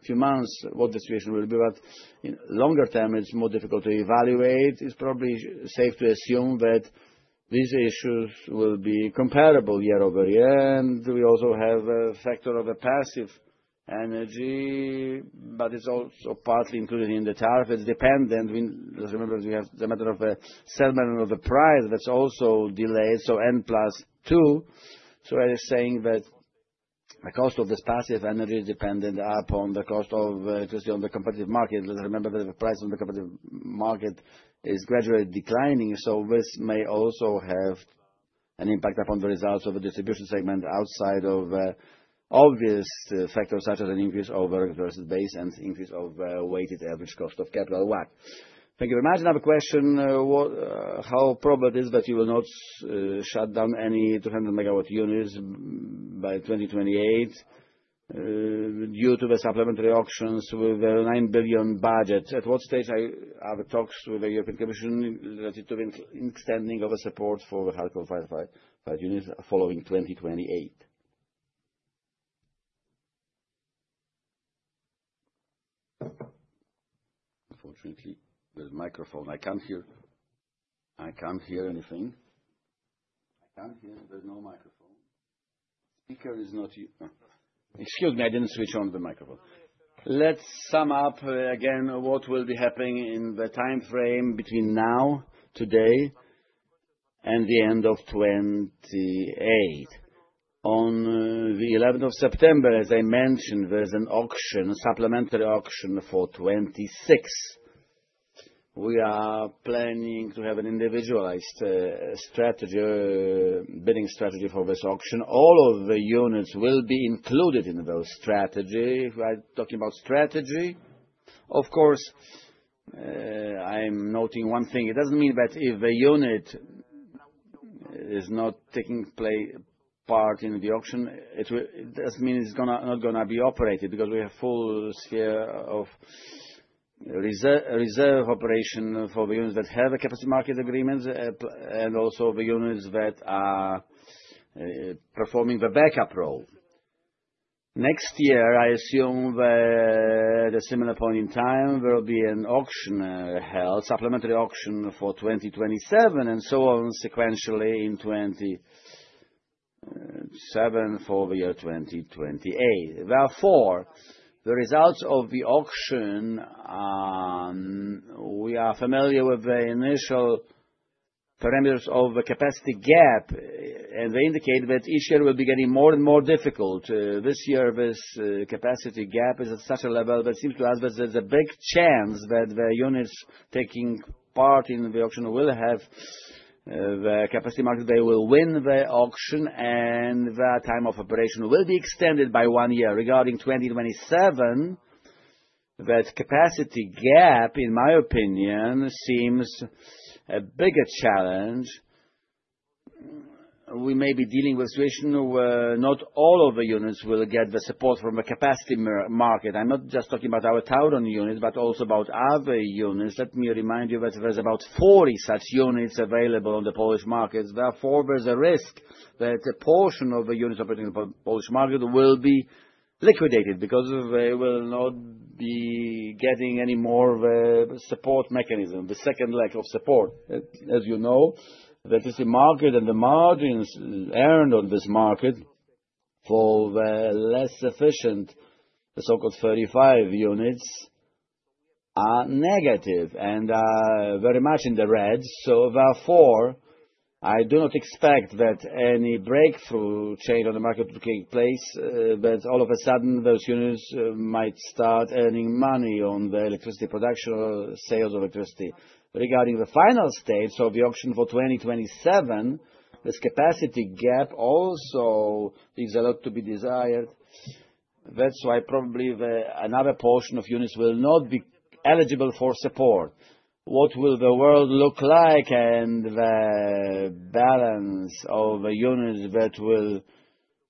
few months what the situation will be, but in longer term, it's more difficult to evaluate. It's probably safe to assume that these issues will be comparable year-over-year. We also have a factor of a passive energy, but it's also partly included in the tariff. It's dependent. Let us remember that we have the matter of the settlement of the price that's also delayed, so N+2. That is saying that the cost of this passive energy is dependent upon the cost of electricity on the competitive market. Let us remember that the price on the competitive market is gradually declining. This may also have an impact upon the results of the distribution segment outside of obvious factors such as an increase over the baseline increase of weighted average cost of capital, WACC. Thank you very much. Another question. How probable is it that you will not shut down any 200 MW units by 2028 due to the supplementary auctions with a 9 billion budget? At what stage are the talks with the European Commission related to the extending of support for the hard coal-fired units following 2028? Unfortunately, the microphone, I can't hear anything. I can't hear. There's no microphone. Speaker is not here. Excuse me. I didn't switch on the microphone. Let's sum up again what will be happening in the time frame between now, today, and the end of 2028. On the 11th of September, as I mentioned, there's an auction, a supplementary auction for 2026. We are planning to have an individualized strategy, bidding strategy for this auction. All of the units will be included in those strategies. We are talking about strategy. Of course, I'm noting one thing. It doesn't mean that if a unit is not taking part in the auction, it doesn't mean it's not going to be operated because we have a full sphere of reserve operation for the units that have a capacity market agreement and also the units that are performing the backup role. Next year, I assume at a similar point in time, there will be an auction held, supplementary auction for 2027, and so on sequentially in 2027 for the year 2028. Therefore, the results of the auction, we are familiar with the initial parameters of the capacity gap, and they indicate that each year will be getting more and more difficult. This year, this capacity gap is at such a level that seems to us that there's a big chance that the units taking part in the auction will have the capacity market, they will win the auction, and the time of operation will be extended by one year. Regarding 2027, that capacity gap, in my opinion, seems a bigger challenge. We may be dealing with a situation where not all of the units will get the support from the capacity market. I'm not just talking about our TAURON units, but also about other units. Let me remind you that there's about 40 such units available on the Polish markets. Therefore, there's a risk that a portion of the units operating in the Polish market will be liquidated because they will not be getting any more of a support mechanism, the second leg of support. As you know, the existing market and the margins earned on this market for the less efficient, the so-called 35 units, are negative and are very much in the red. Therefore, I do not expect that any breakthrough change on the market will take place, that all of a sudden those units might start earning money on the electricity production or sales of electricity. Regarding the final stage of the auction for 2027, this capacity gap also is a lot to be desired. That's why probably another portion of units will not be eligible for support. What will the world look like and the balance of units that will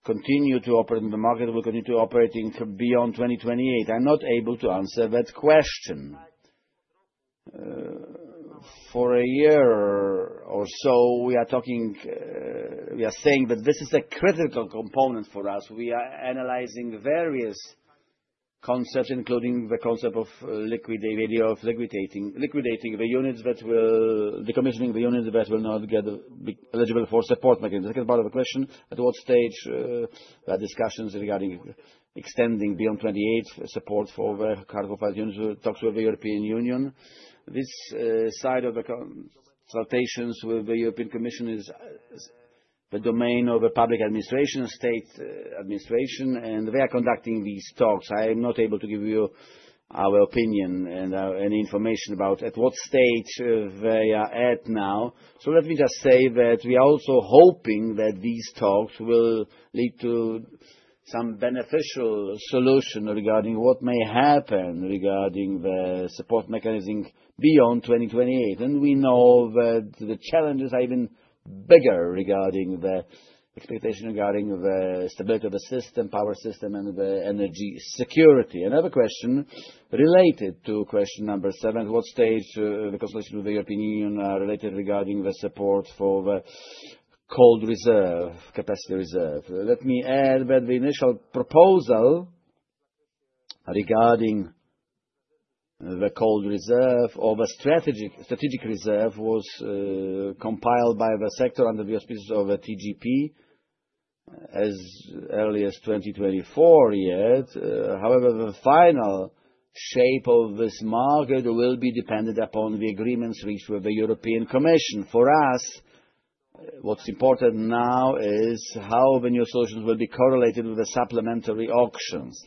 continue to operate in the market, will continue to operate beyond 2028? I'm not able to answer that question. For a year or so, we are talking, we are saying that this is a critical component for us. We are analyzing various concepts, including the concept of liquidating the units that will, decommissioning the units that will not get eligible for support mechanism. The second part of the question, at what stage are discussions regarding extending beyond 2028 support for the hardcore coal-fired power generation units? We talked with the European Union. This side of the consultations with the European Commission is the domain of the public administration, state administration, and they are conducting these talks. I am not able to give you our opinion and any information about at what stage they are at now. Let me just say that we are also hoping that these talks will lead to some beneficial solution regarding what may happen regarding the support mechanism beyond 2028. We know that the challenges are even bigger regarding the expectation regarding the stability of the system, power system, and the energy security. Another question related to question number seven, at what stage the consultations with the European Union are related regarding the support for the cold reserve, capacity reserve? Let me add that the initial proposal regarding the cold reserve or the strategic reserve was compiled by the sector under the auspices of the TGP as early as 2024 yet. However, the final shape of this market will be dependent upon the agreements reached with the European Commission. For us, what's important now is how the new solutions will be correlated with the supplementary auctions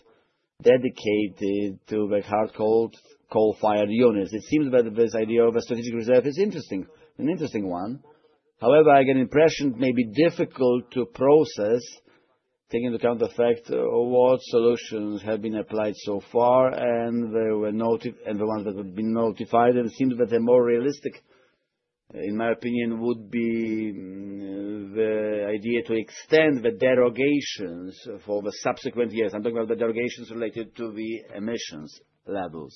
dedicated to the hardcore coal-fired units. It seems that this idea of a strategic reserve is interesting, an interesting one. However, I get the impression it may be difficult to process, taking into account the fact of what solutions have been applied so far, and the ones that have been notified. It seems that the more realistic, in my opinion, would be the idea to extend the derogations for the subsequent years. I'm talking about the derogations related to the emissions levels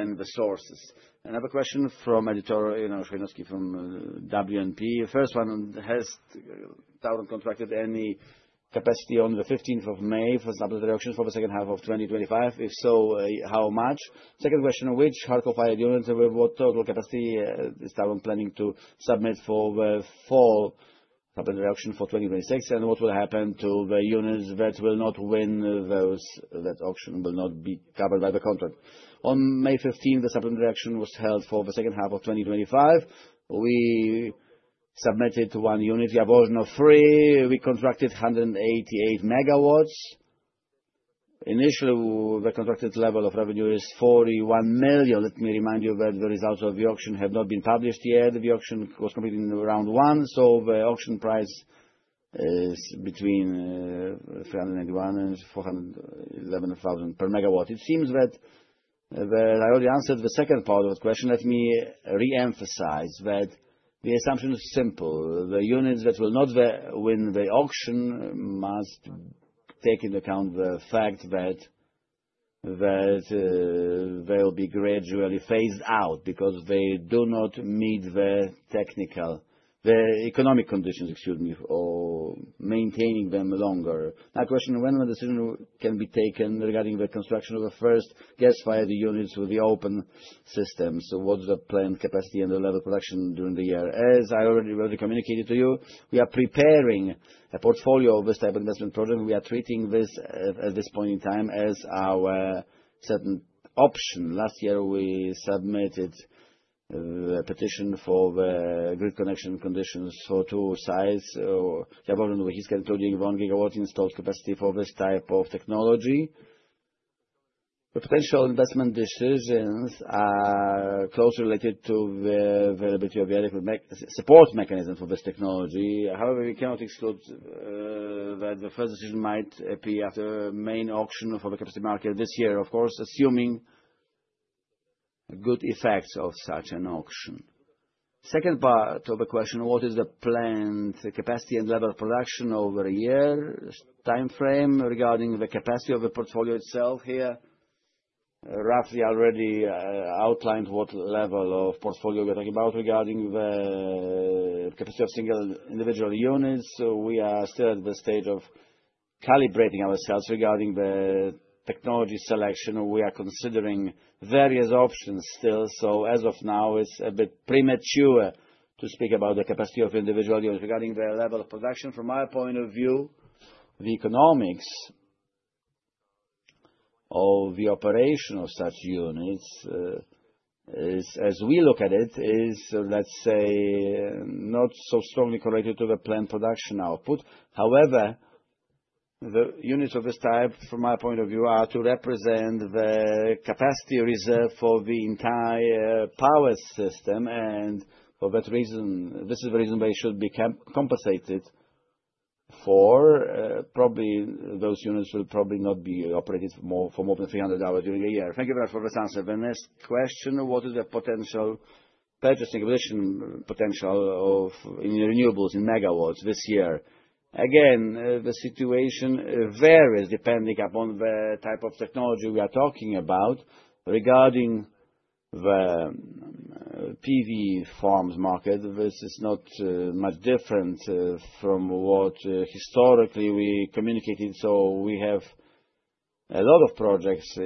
and the sources. Another question from Editor Chojnowski from WNP. First one, has TAURON contracted any capacity on the 15th of May for supplementary auctions for the second half of 2025? If so, how much? Second question, which hardcore fire units with what total capacity is TAURON planning to submit for the full supplementary auction for 2026? What will happen to the units that will not win that auction and will not be covered by the contract? On May 15, the supplementary auction was held for the second half of 2025. We submitted one unit, Jaworzno III. We contracted 188 MW. Initially, the contracted level of revenue is 41 million. Let me remind you that the results of the auction have not been published yet. The auction was completed in round one, so the auction price is between 391,000-411,000 per MW. It seems that I already answered the second part of the question. Let me re-emphasize that the assumption is simple. The units that will not win the auction must take into account the fact that they'll be gradually phased out because they do not meet the technical, the economic conditions, excuse me, or maintaining them longer. Another question, when the decision can be taken regarding the construction of the first gas-fired units with the open systems? What is the planned capacity and the level of production during the year? As I already communicated to you, we are preparing a portfolio of this type of investment project. We are treating this at this point in time as our certain option. Last year, we submitted a petition for the grid connection conditions for two sites, Jaworzno and Łaziska, including 1 GW installed capacity for this type of technology. The potential investment decisions are closely related to the availability of the adequate support mechanism for this technology. However, we cannot exclude that the first decision might appear at the main auction for the capacity market this year, of course, assuming good effects of such an auction. Second part of the question, what is the planned capacity and level of production over a year time frame regarding the capacity of the portfolio itself? Here, roughly already outlined what level of portfolio we're talking about regarding the capacity of single individual units. We are still at the stage of calibrating ourselves regarding the technology selection. We are considering various options still. As of now, it's a bit premature to speak about the capacity of individual units regarding the level of production. From my point of view, the economics of the operation of such units, as we look at it, is, let's say, not so strongly correlated to the planned production output. However, the units of this type, from my point of view, are to represent the capacity reserve for the entire power system. For that reason, this is the reason why it should be compensated for. Probably those units will probably not be operated for more than 300 hours during the year. Thank you very much for this answer. The next question, what is the potential purchasing position potential of renewables in megawatts this year? Again, the situation varies depending upon the type of technology we are talking about. Regarding the PV farms market, this is not much different from what historically we communicated. We have a lot of projects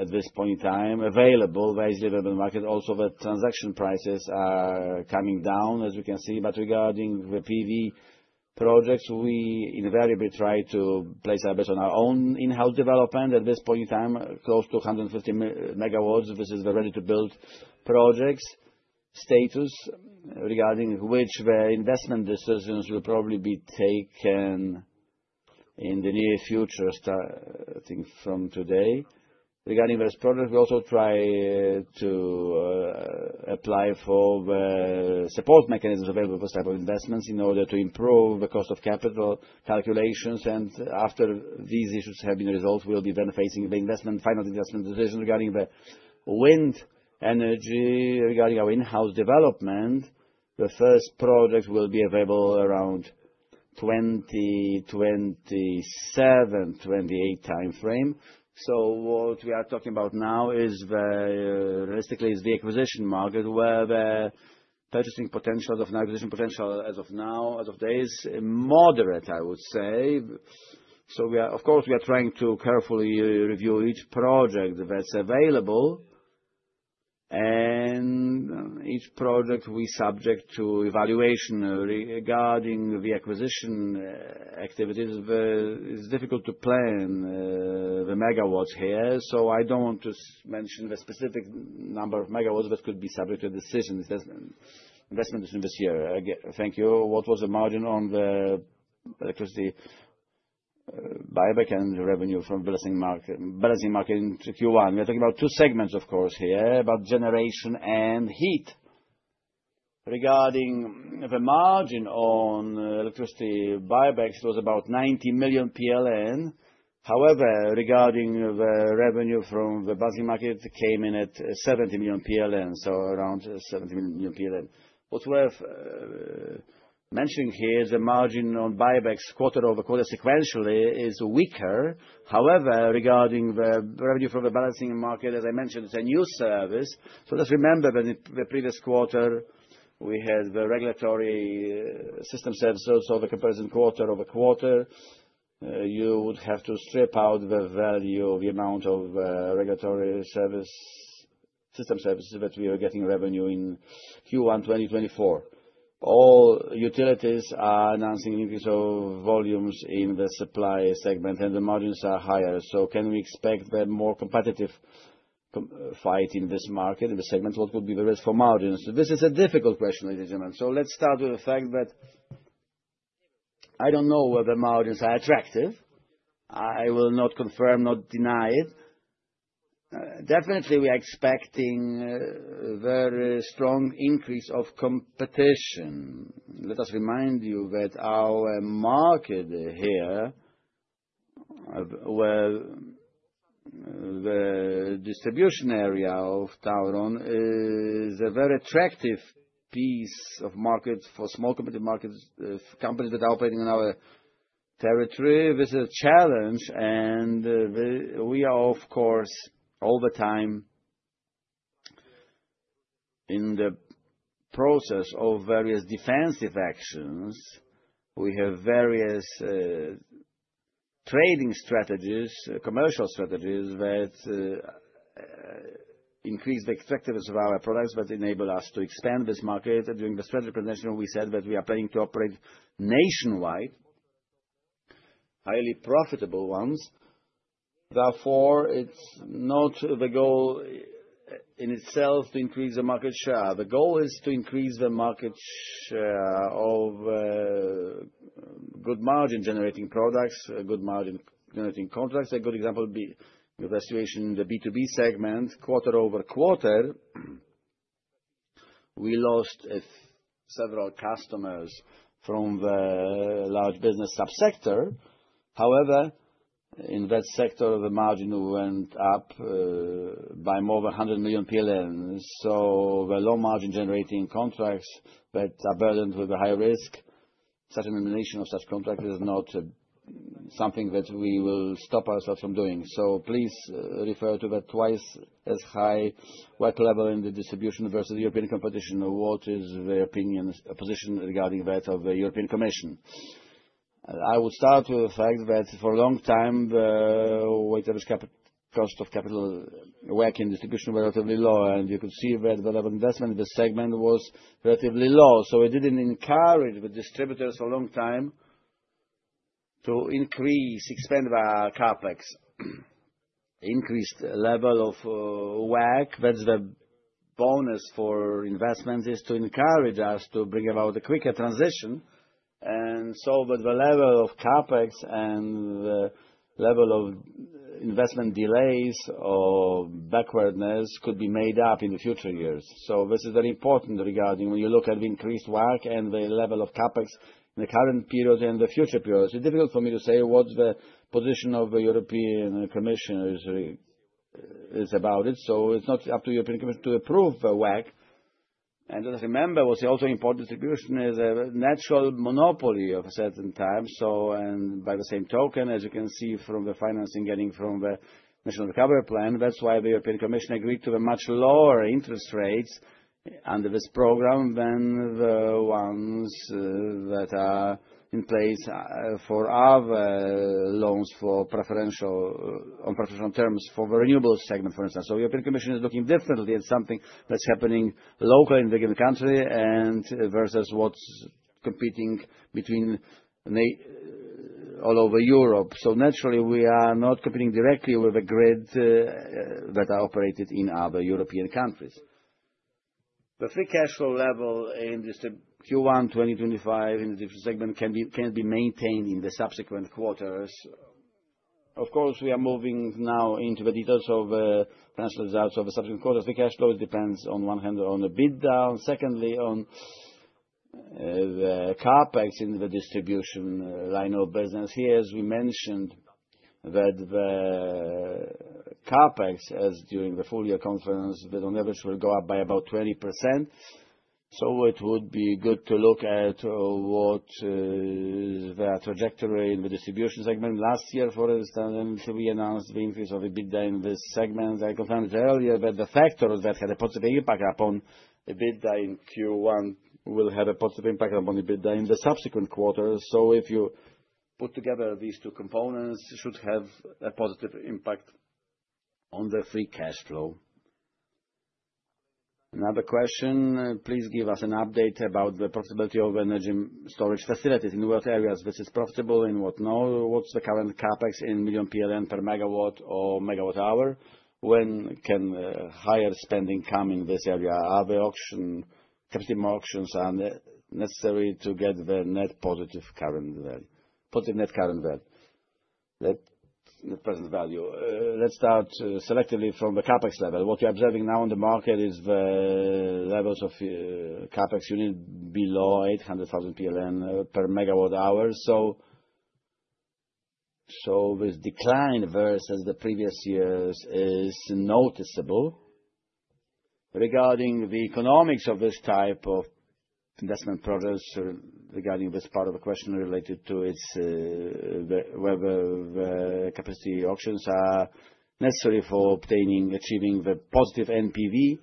at this point in time available, very stable in the market. Also, the transaction prices are coming down, as we can see. Regarding the PV projects, we invariably try to place our bet on our own in-house development at this point in time, close to 150 MW versus the ready-to-build projects. Status regarding which investment decisions will probably be taken in the near future, I think, from today. Regarding various projects, we also try to apply for the support mechanisms available for this type of investments in order to improve the cost of capital calculations. After these issues have been resolved, we'll be then facing the investment, final investment decisions regarding the wind energy, regarding our in-house development. The first project will be available around 2027-2028 time frame. What we are talking about now is, realistically, the acquisition market where the purchasing potential of an acquisition potential as of now, as of days, is moderate, I would say. Of course, we are trying to carefully review each project that's available. Each project we subject to evaluation regarding the acquisition activities. It is difficult to plan the megawatts here. I don't want to mention the specific number of megawatt that could be subject to investment decision this year. Thank you. What was the margin on the electricity buyback and revenue from balancing market in Q1? We are talking about two segments, of course, here, about Generation and Heat. Regarding the margin on electricity buybacks, it was about 90 million PLN. However, regarding the revenue from the balancing market, it came in at 70 million PLN, so around 70 million PLN. What we're mentioning here is the margin on buybacks quarter-over-quarter sequentially is weaker. However, regarding the revenue from the balancing market, as I mentioned, it's a new service. Just remember that in the previous quarter, we had the regulatory system services. The comparison quarter-over-quarter, you would have to strip out the value of the amount of regulatory system services that we were getting revenue in Q1 2024. All utilities are announcing an increase of volumes in the supply segment, and the margins are higher. Can we expect a more competitive fight in this market, in the segment? What would be the risk for margins? This is a difficult question, ladies and gentlemen. Let's start with the fact that I don't know whether margins are attractive. I will not confirm, not deny it. Definitely, we are expecting a very strong increase of competition. Let us remind you that our market here, where the distribution area of TAURON is a very attractive piece of market for small competitive markets, companies that are operating in our territory, this is a challenge. We are, of course, all the time in the process of various defensive actions. We have various trading strategies, commercial strategies that increase the attractiveness of our products but enable us to expand this market. During the strategy presentation, we said that we are planning to operate nationwide, highly profitable ones. Therefore, it's not the goal in itself to increase the market share. The goal is to increase the market share of good margin-generating products, good margin-generating contracts. A good example would be the situation in the B2B segment. Quarter-over-quarter, we lost several customers from the large business subsector. However, in that sector, the margin went up by more than 100 million PLN. The low margin-generating contracts that are burdened with the high risk, such elimination of such contracts is not something that we will stop ourselves from doing. Please refer to the twice as high work level in the distribution versus the European competition. What is the opinion, position regarding that of the European Commission? I would start with the fact that for a long time, the weighted average cost of capital work in distribution was relatively low. You could see that the level of investment in this segment was relatively low. We did not encourage the distributors for a long time to increase, expand our CapEx, increased level of work. That is the bonus for investments, to encourage us to bring about a quicker transition. With the level of CapEx and the level of investment, delays or backwardness could be made up in future years. This is very important regarding when you look at the increased work and the level of CapEx in the current period and the future period. It's difficult for me to say what the position of the European Commission is about. It's not up to the European Commission to approve the work. As I remember, what's also important, distribution is a natural monopoly of a certain type. By the same token, as you can see from the financing getting from the National Recovery Plan, that's why the European Commission agreed to the much lower interest rates under this program than the ones that are in place for other loans on preferential terms for the renewables segment, for instance. The European Commission is looking differently at something that's happening locally in the given country versus what's competing all over Europe. Naturally, we are not competing directly with the grid that are operated in other European countries. The free cash flow level in Q1 2025 in the distribution segment can be maintained in the subsequent quarters. Of course, we are moving now into the details of the financial results of the subsequent quarters. The cash flow depends, on one hand, on EBITDA. Secondly, on the CapEx in the distribution line of business. Here, as we mentioned, the CapEx, as during the full year conference, the leverage will go up by about 20%. It would be good to look at what the trajectory in the distribution segment last year, for instance, and to re-announce the increase of the EBITDA in this segment. I confirmed earlier that the factors that had a positive impact upon the bid down in Q1 will have a positive impact upon the bid down in the subsequent quarters. If you put together these two components, it should have a positive impact on the free cash flow. Another question, please give us an update about the profitability of energy storage facilities in remote areas. This is profitable in what? What's the current CapEx in million PLN per megawatt or megawatt hour? When can higher spending come in this area? Are there competitive more auctions necessary to get the net positive current value, positive net current value, net present value? Let's start selectively from the CapEx level. What we're observing now in the market is the levels of CapEx unit below 800,000 PLN per MWh. This decline versus the previous years is noticeable. Regarding the economics of this type of investment projects, regarding this part of the question related to whether capacity auctions are necessary for achieving the positive NPV,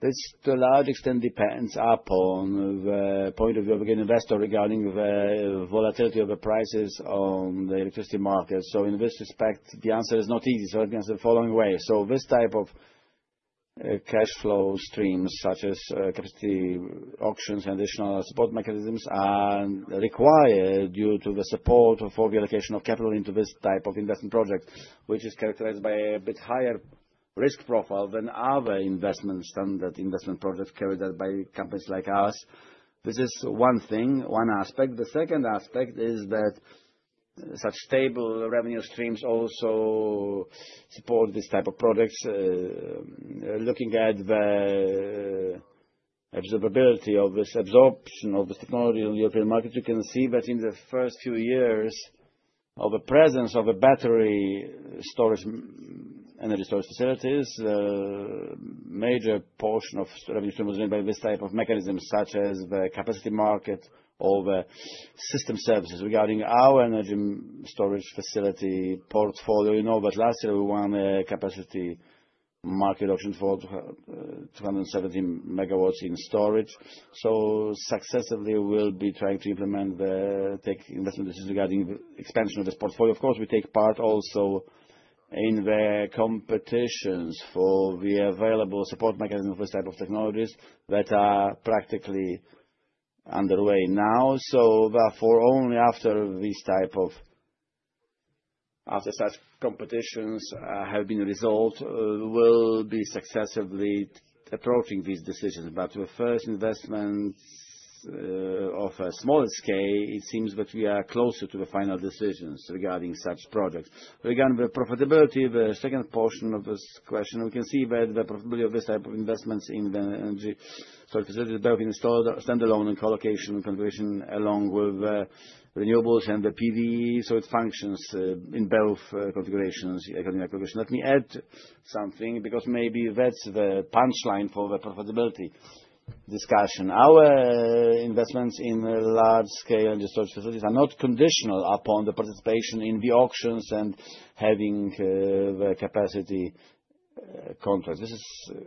this to a large extent depends upon the point of view of a given investor regarding the volatility of the prices on the electricity market. In this respect, the answer is not easy. I can answer the following way. This type of cash flow streams, such as capacity auctions and additional support mechanisms, are required due to the support for the allocation of capital into this type of investment project, which is characterized by a bit higher risk profile than other standard investment projects carried out by companies like us. This is one thing, one aspect. The second aspect is that such stable revenue streams also support this type of projects. Looking at the absorbability of this technology in the European market, you can see that in the first few years of the presence of battery storage, energy storage facilities, a major portion of the revenue stream was made by this type of mechanism, such as the capacity market or the system services. Regarding our energy storage facility portfolio, you know that last year we won a capacity market auction for 270 MW in storage. Successively, we will be trying to implement the investment decisions regarding expansion of this portfolio. Of course, we take part also in the competitions for the available support mechanism for this type of technologies that are practically underway now. Therefore, only after such competitions have been resolved, we will be successively approaching these decisions. With first investments of a smaller scale, it seems that we are closer to the final decisions regarding such projects. Regarding the profitability of the second portion of this question, we can see that the profitability of this type of investments in the energy storage facility is both in standalone and co-location configuration along with renewables and the PV. It functions in both configurations, economic configuration. Let me add something because maybe that is the punchline for the profitability discussion. Our investments in large-scale storage facilities are not conditional upon the participation in the auctions and having the capacity contracts.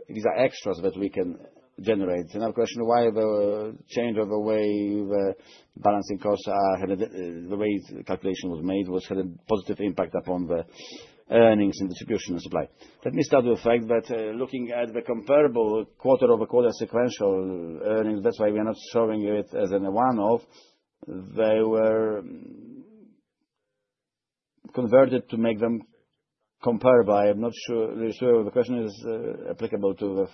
These are extras that we can generate. Another question, why the change of the way the balancing costs are, the way calculation was made, had a positive impact upon the earnings in Distribution and Supply. Let me start with the fact that looking at the comparable quarter-over-quarter sequential earnings, that's why we are not showing it as a one-off. They were converted to make them comparable. I'm not sure the question is applicable to the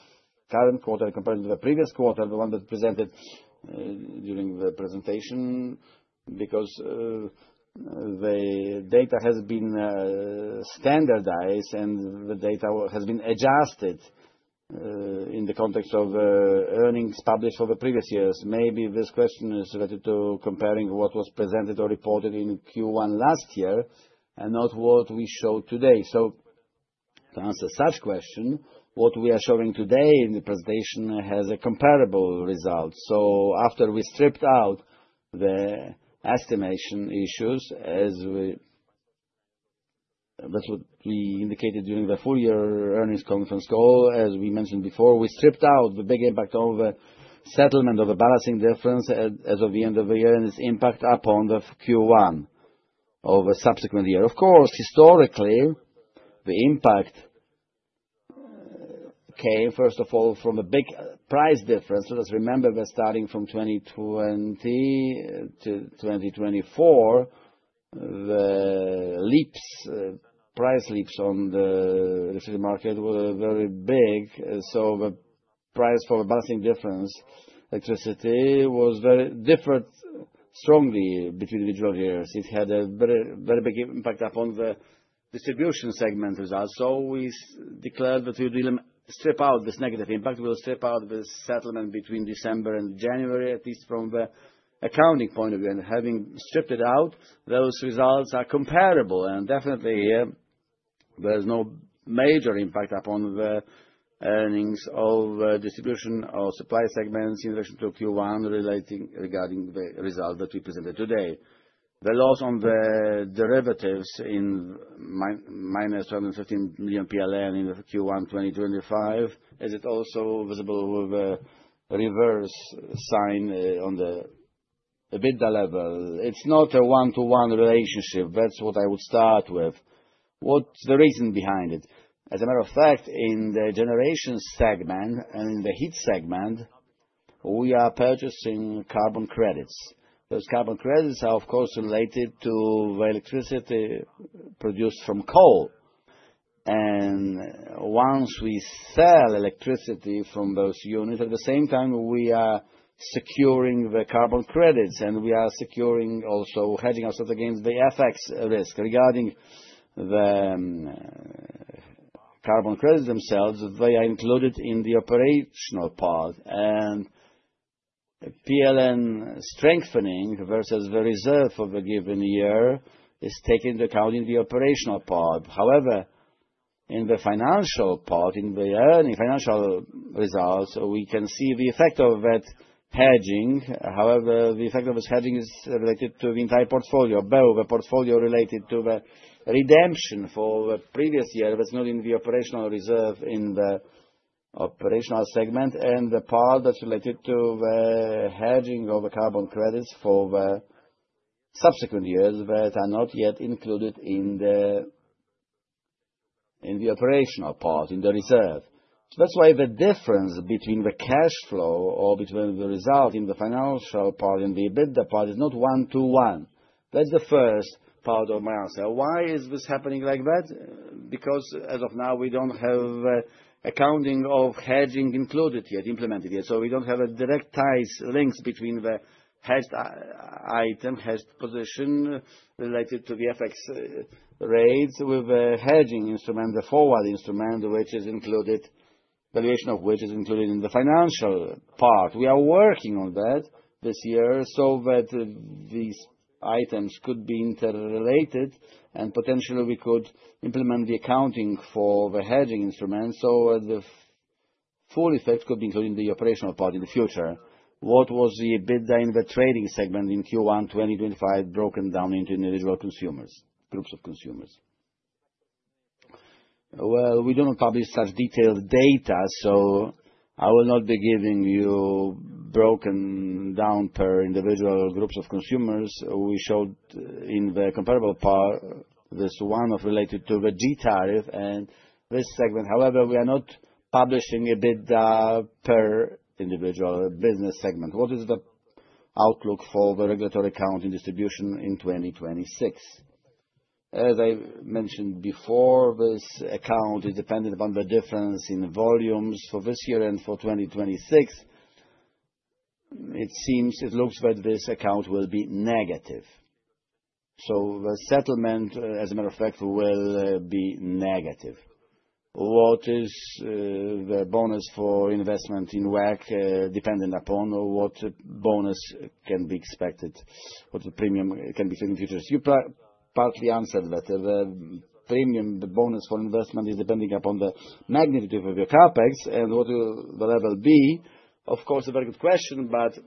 current quarter compared to the previous quarter, the one that was presented during the presentation. Because the data has been standardized and the data has been adjusted in the context of earnings published for the previous years. Maybe this question is related to comparing what was presented or reported in Q1 last year and not what we showed today. To answer such question, what we are showing today in the presentation has a comparable result. After we stripped out the estimation issues, as we indicated during the full year earnings conference call, as we mentioned before, we stripped out the big impact of the settlement of the balancing difference as of the end of the year and its impact upon the Q1 of a subsequent year. Of course, historically, the impact came first of all from a big price difference. Let us remember we are starting from 2020 to 2024. The price leaps on the electricity market were very big. The price for the balancing difference electricity was very different strongly between individual years. It had a very big impact upon the distribution segment results. We declared that we will strip out this negative impact. We will strip out the settlement between December and January, at least from the accounting point of view. Having stripped it out, those results are comparable. There is definitely no major impact upon the earnings of distribution or supply segments in relation to Q1 regarding the result that we presented today. The loss on the derivatives is minus 215 million PLN in Q1 2025, as it is also visible with the reverse sign on the bid level. It is not a one-to-one relationship. That is what I would start with. What is the reason behind it? As a matter of fact, in the generation segment and in the heat segment, we are purchasing carbon credits. Those carbon credits are, of course, related to electricity produced from coal. Once we sell electricity from those units, at the same time, we are securing the carbon credits. We are also securing, hedging ourselves against the FX risk. Regarding the carbon credits themselves, they are included in the operational part. PLN strengthening versus the reserve for the given year is taken into account in the operational part. However, in the financial part, in the earning financial results, we can see the effect of that hedging. However, the effect of this hedging is related to the entire portfolio, both the portfolio related to the redemption for the previous year that is not in the operational reserve in the operational segment, and the part that is related to the hedging of the carbon credits for the subsequent years that are not yet included in the operational part, in the reserve. That is why the difference between the cash flow or between the result in the financial part and the bid part is not one-to-one. That is the first part of my answer. Why is this happening like that? Because as of now, we do not have accounting of hedging included yet, implemented yet. We do not have direct ties or links between the hedged item, hedged position related to the FX rates with the hedging instrument, the forward instrument, which is included, valuation of which is included in the financial part. We are working on that this year so that these items could be interrelated and potentially we could implement the accounting for the hedging instrument so the full effect could be included in the operational part in the future. What was the bid in the trading segment in Q1 2025 broken down into individual consumers, groups of consumers? We do not publish such detailed data, so I will not be giving you broken down per individual groups of consumers. We showed in the comparable part this one related to the G tariff and this segment. However, we are not publishing a bid per individual business segment. What is the outlook for the regulatory account in distribution in 2026? As I mentioned before, this account is dependent upon the difference in volumes for this year and for 2026. It seems it looks that this account will be negative. The settlement, as a matter of fact, will be negative. What is the bonus for investment in WACC dependent upon what bonus can be expected? What's the premium it can be expected in futures? You partly answered that the premium, the bonus for investment is depending upon the magnitude of your CapEx and what will the level be. Of course, a very good question, but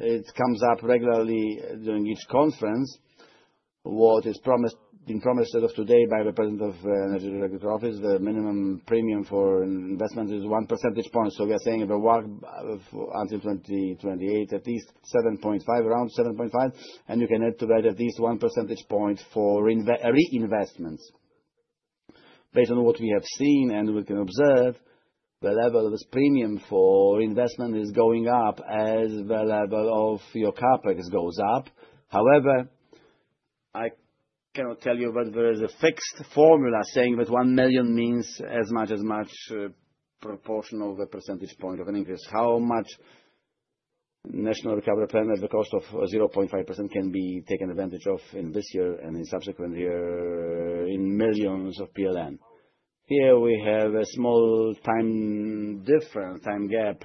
it comes up regularly during each conference. What is promised in promise as of today by the President of the Energy Regulatory Office, the minimum premium for investment is one percentage point. We are saying the WACC until 2028, at least 7.5%, around 7.5%, and you can add to that at least one percentage point for reinvestments. Based on what we have seen and we can observe, the level of this premium for reinvestment is going up as the level of your CapEx goes up. However, I cannot tell you whether there is a fixed formula saying that 1 million means as much as much proportion of a percentage point of an increase. How much national recovery plan at the cost of 0.5% can be taken advantage of in this year and in subsequent year in millions of PLN? Here we have a small time difference, time gap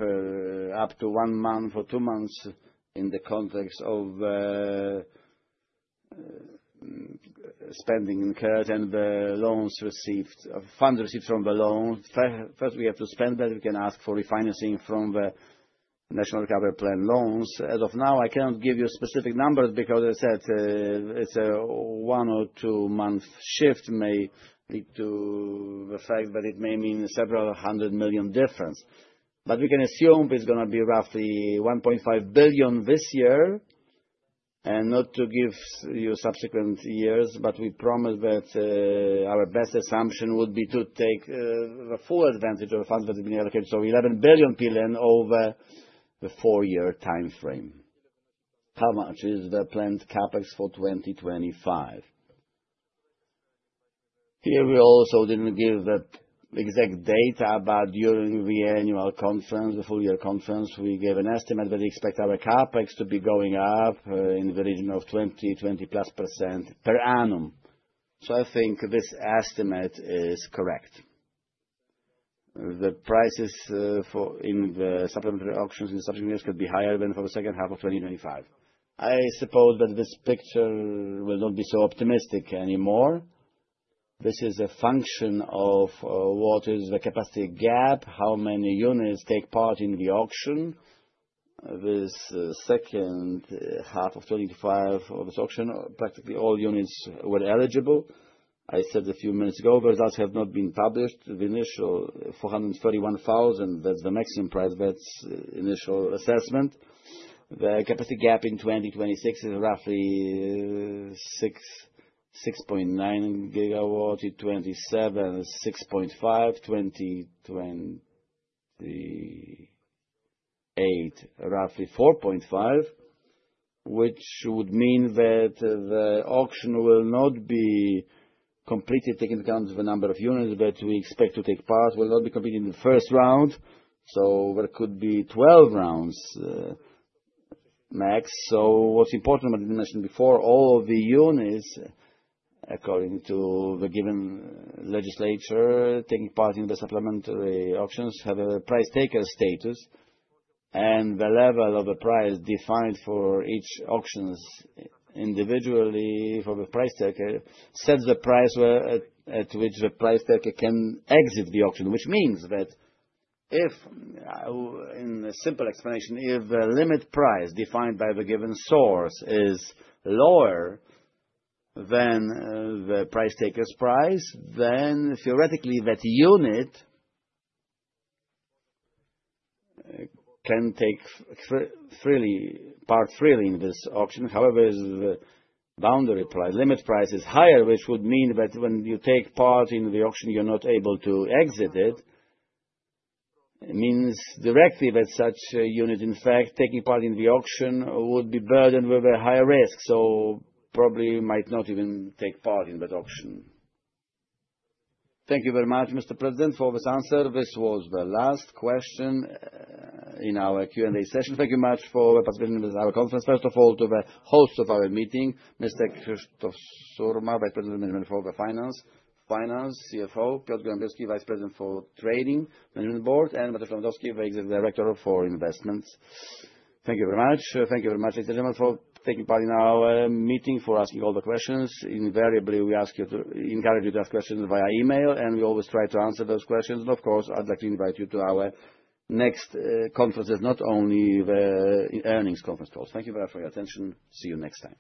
up to one month or two months in the context of spending in cash and the loans received, funds received from the loans. First, we have to spend that. We can ask for refinancing from the national recovery plan loans. As of now, I cannot give you specific numbers because, as I said, it's a one or two-month shift may lead to the fact that it may mean several hundred million difference. But we can assume it's going to be roughly 1.5 billion this year and not to give you subsequent years, but we promise that our best assumption would be to take full advantage of the funds that have been allocated. So 11 billion over the four-year timeframe. How much is the planned CapEx for 2025? Here we also didn't give the exact data, but during the annual conference, the full year conference, we gave an estimate that we expect our CapEx to be going up in the region of 20%-20+% per annum. I think this estimate is correct. The prices in the supplementary auctions in the subsequent years could be higher than for the second half of 2025. I suppose that this picture will not be so optimistic anymore. This is a function of what is the capacity gap, how many units take part in the auction. This second half of 2025 of this auction, practically all units were eligible. I said a few minutes ago, the results have not been published. The initial 431,000, that's the maximum price of that initial assessment. The capacity gap in 2026 is roughly 6.9 GW, 2027, 6.5 GW, 2028, roughly 4.5 GW, which would mean that the auction will not be completely taken account of the number of units that we expect to take part will not be completed in the first round. There could be 12 rounds max. What's important, what I didn't mention before, all of the units, according to the given legislature, taking part in the supplementary auctions have a price taker status. The level of the price defined for each auction individually for the price taker sets the price at which the price taker can exit the auction, which means that if, in a simple explanation, if the limit price defined by the given source is lower than the price taker's price, then theoretically that unit can take part freely in this auction. However, the boundary price, limit price is higher, which would mean that when you take part in the auction, you're not able to exit it. It means directly that such a unit, in fact, taking part in the auction would be burdened with a higher risk. Probably might not even take part in that auction. Thank you very much, Mr. President, for this answer. This was the last question in our Q&A session. Thank you very much for participating in this hour conference. First of all, to the host of our meeting, Mr. Krzysztof Surma, Vice President of Management for Finance, CFO, Piotr Gołębiowski, Vice President for Trading Management Board, and Mateusz Lewandowski, the Executive Director for Investments. Thank you very much. Thank you very much, Mr. Ziemel, for taking part in our meeting, for asking all the questions. Invariably, we ask you to encourage you to ask questions via email, and we always try to answer those questions. Of course, I'd like to invite you to our next conferences, not only the earnings conference calls. Thank you very much for your attention. See you next time.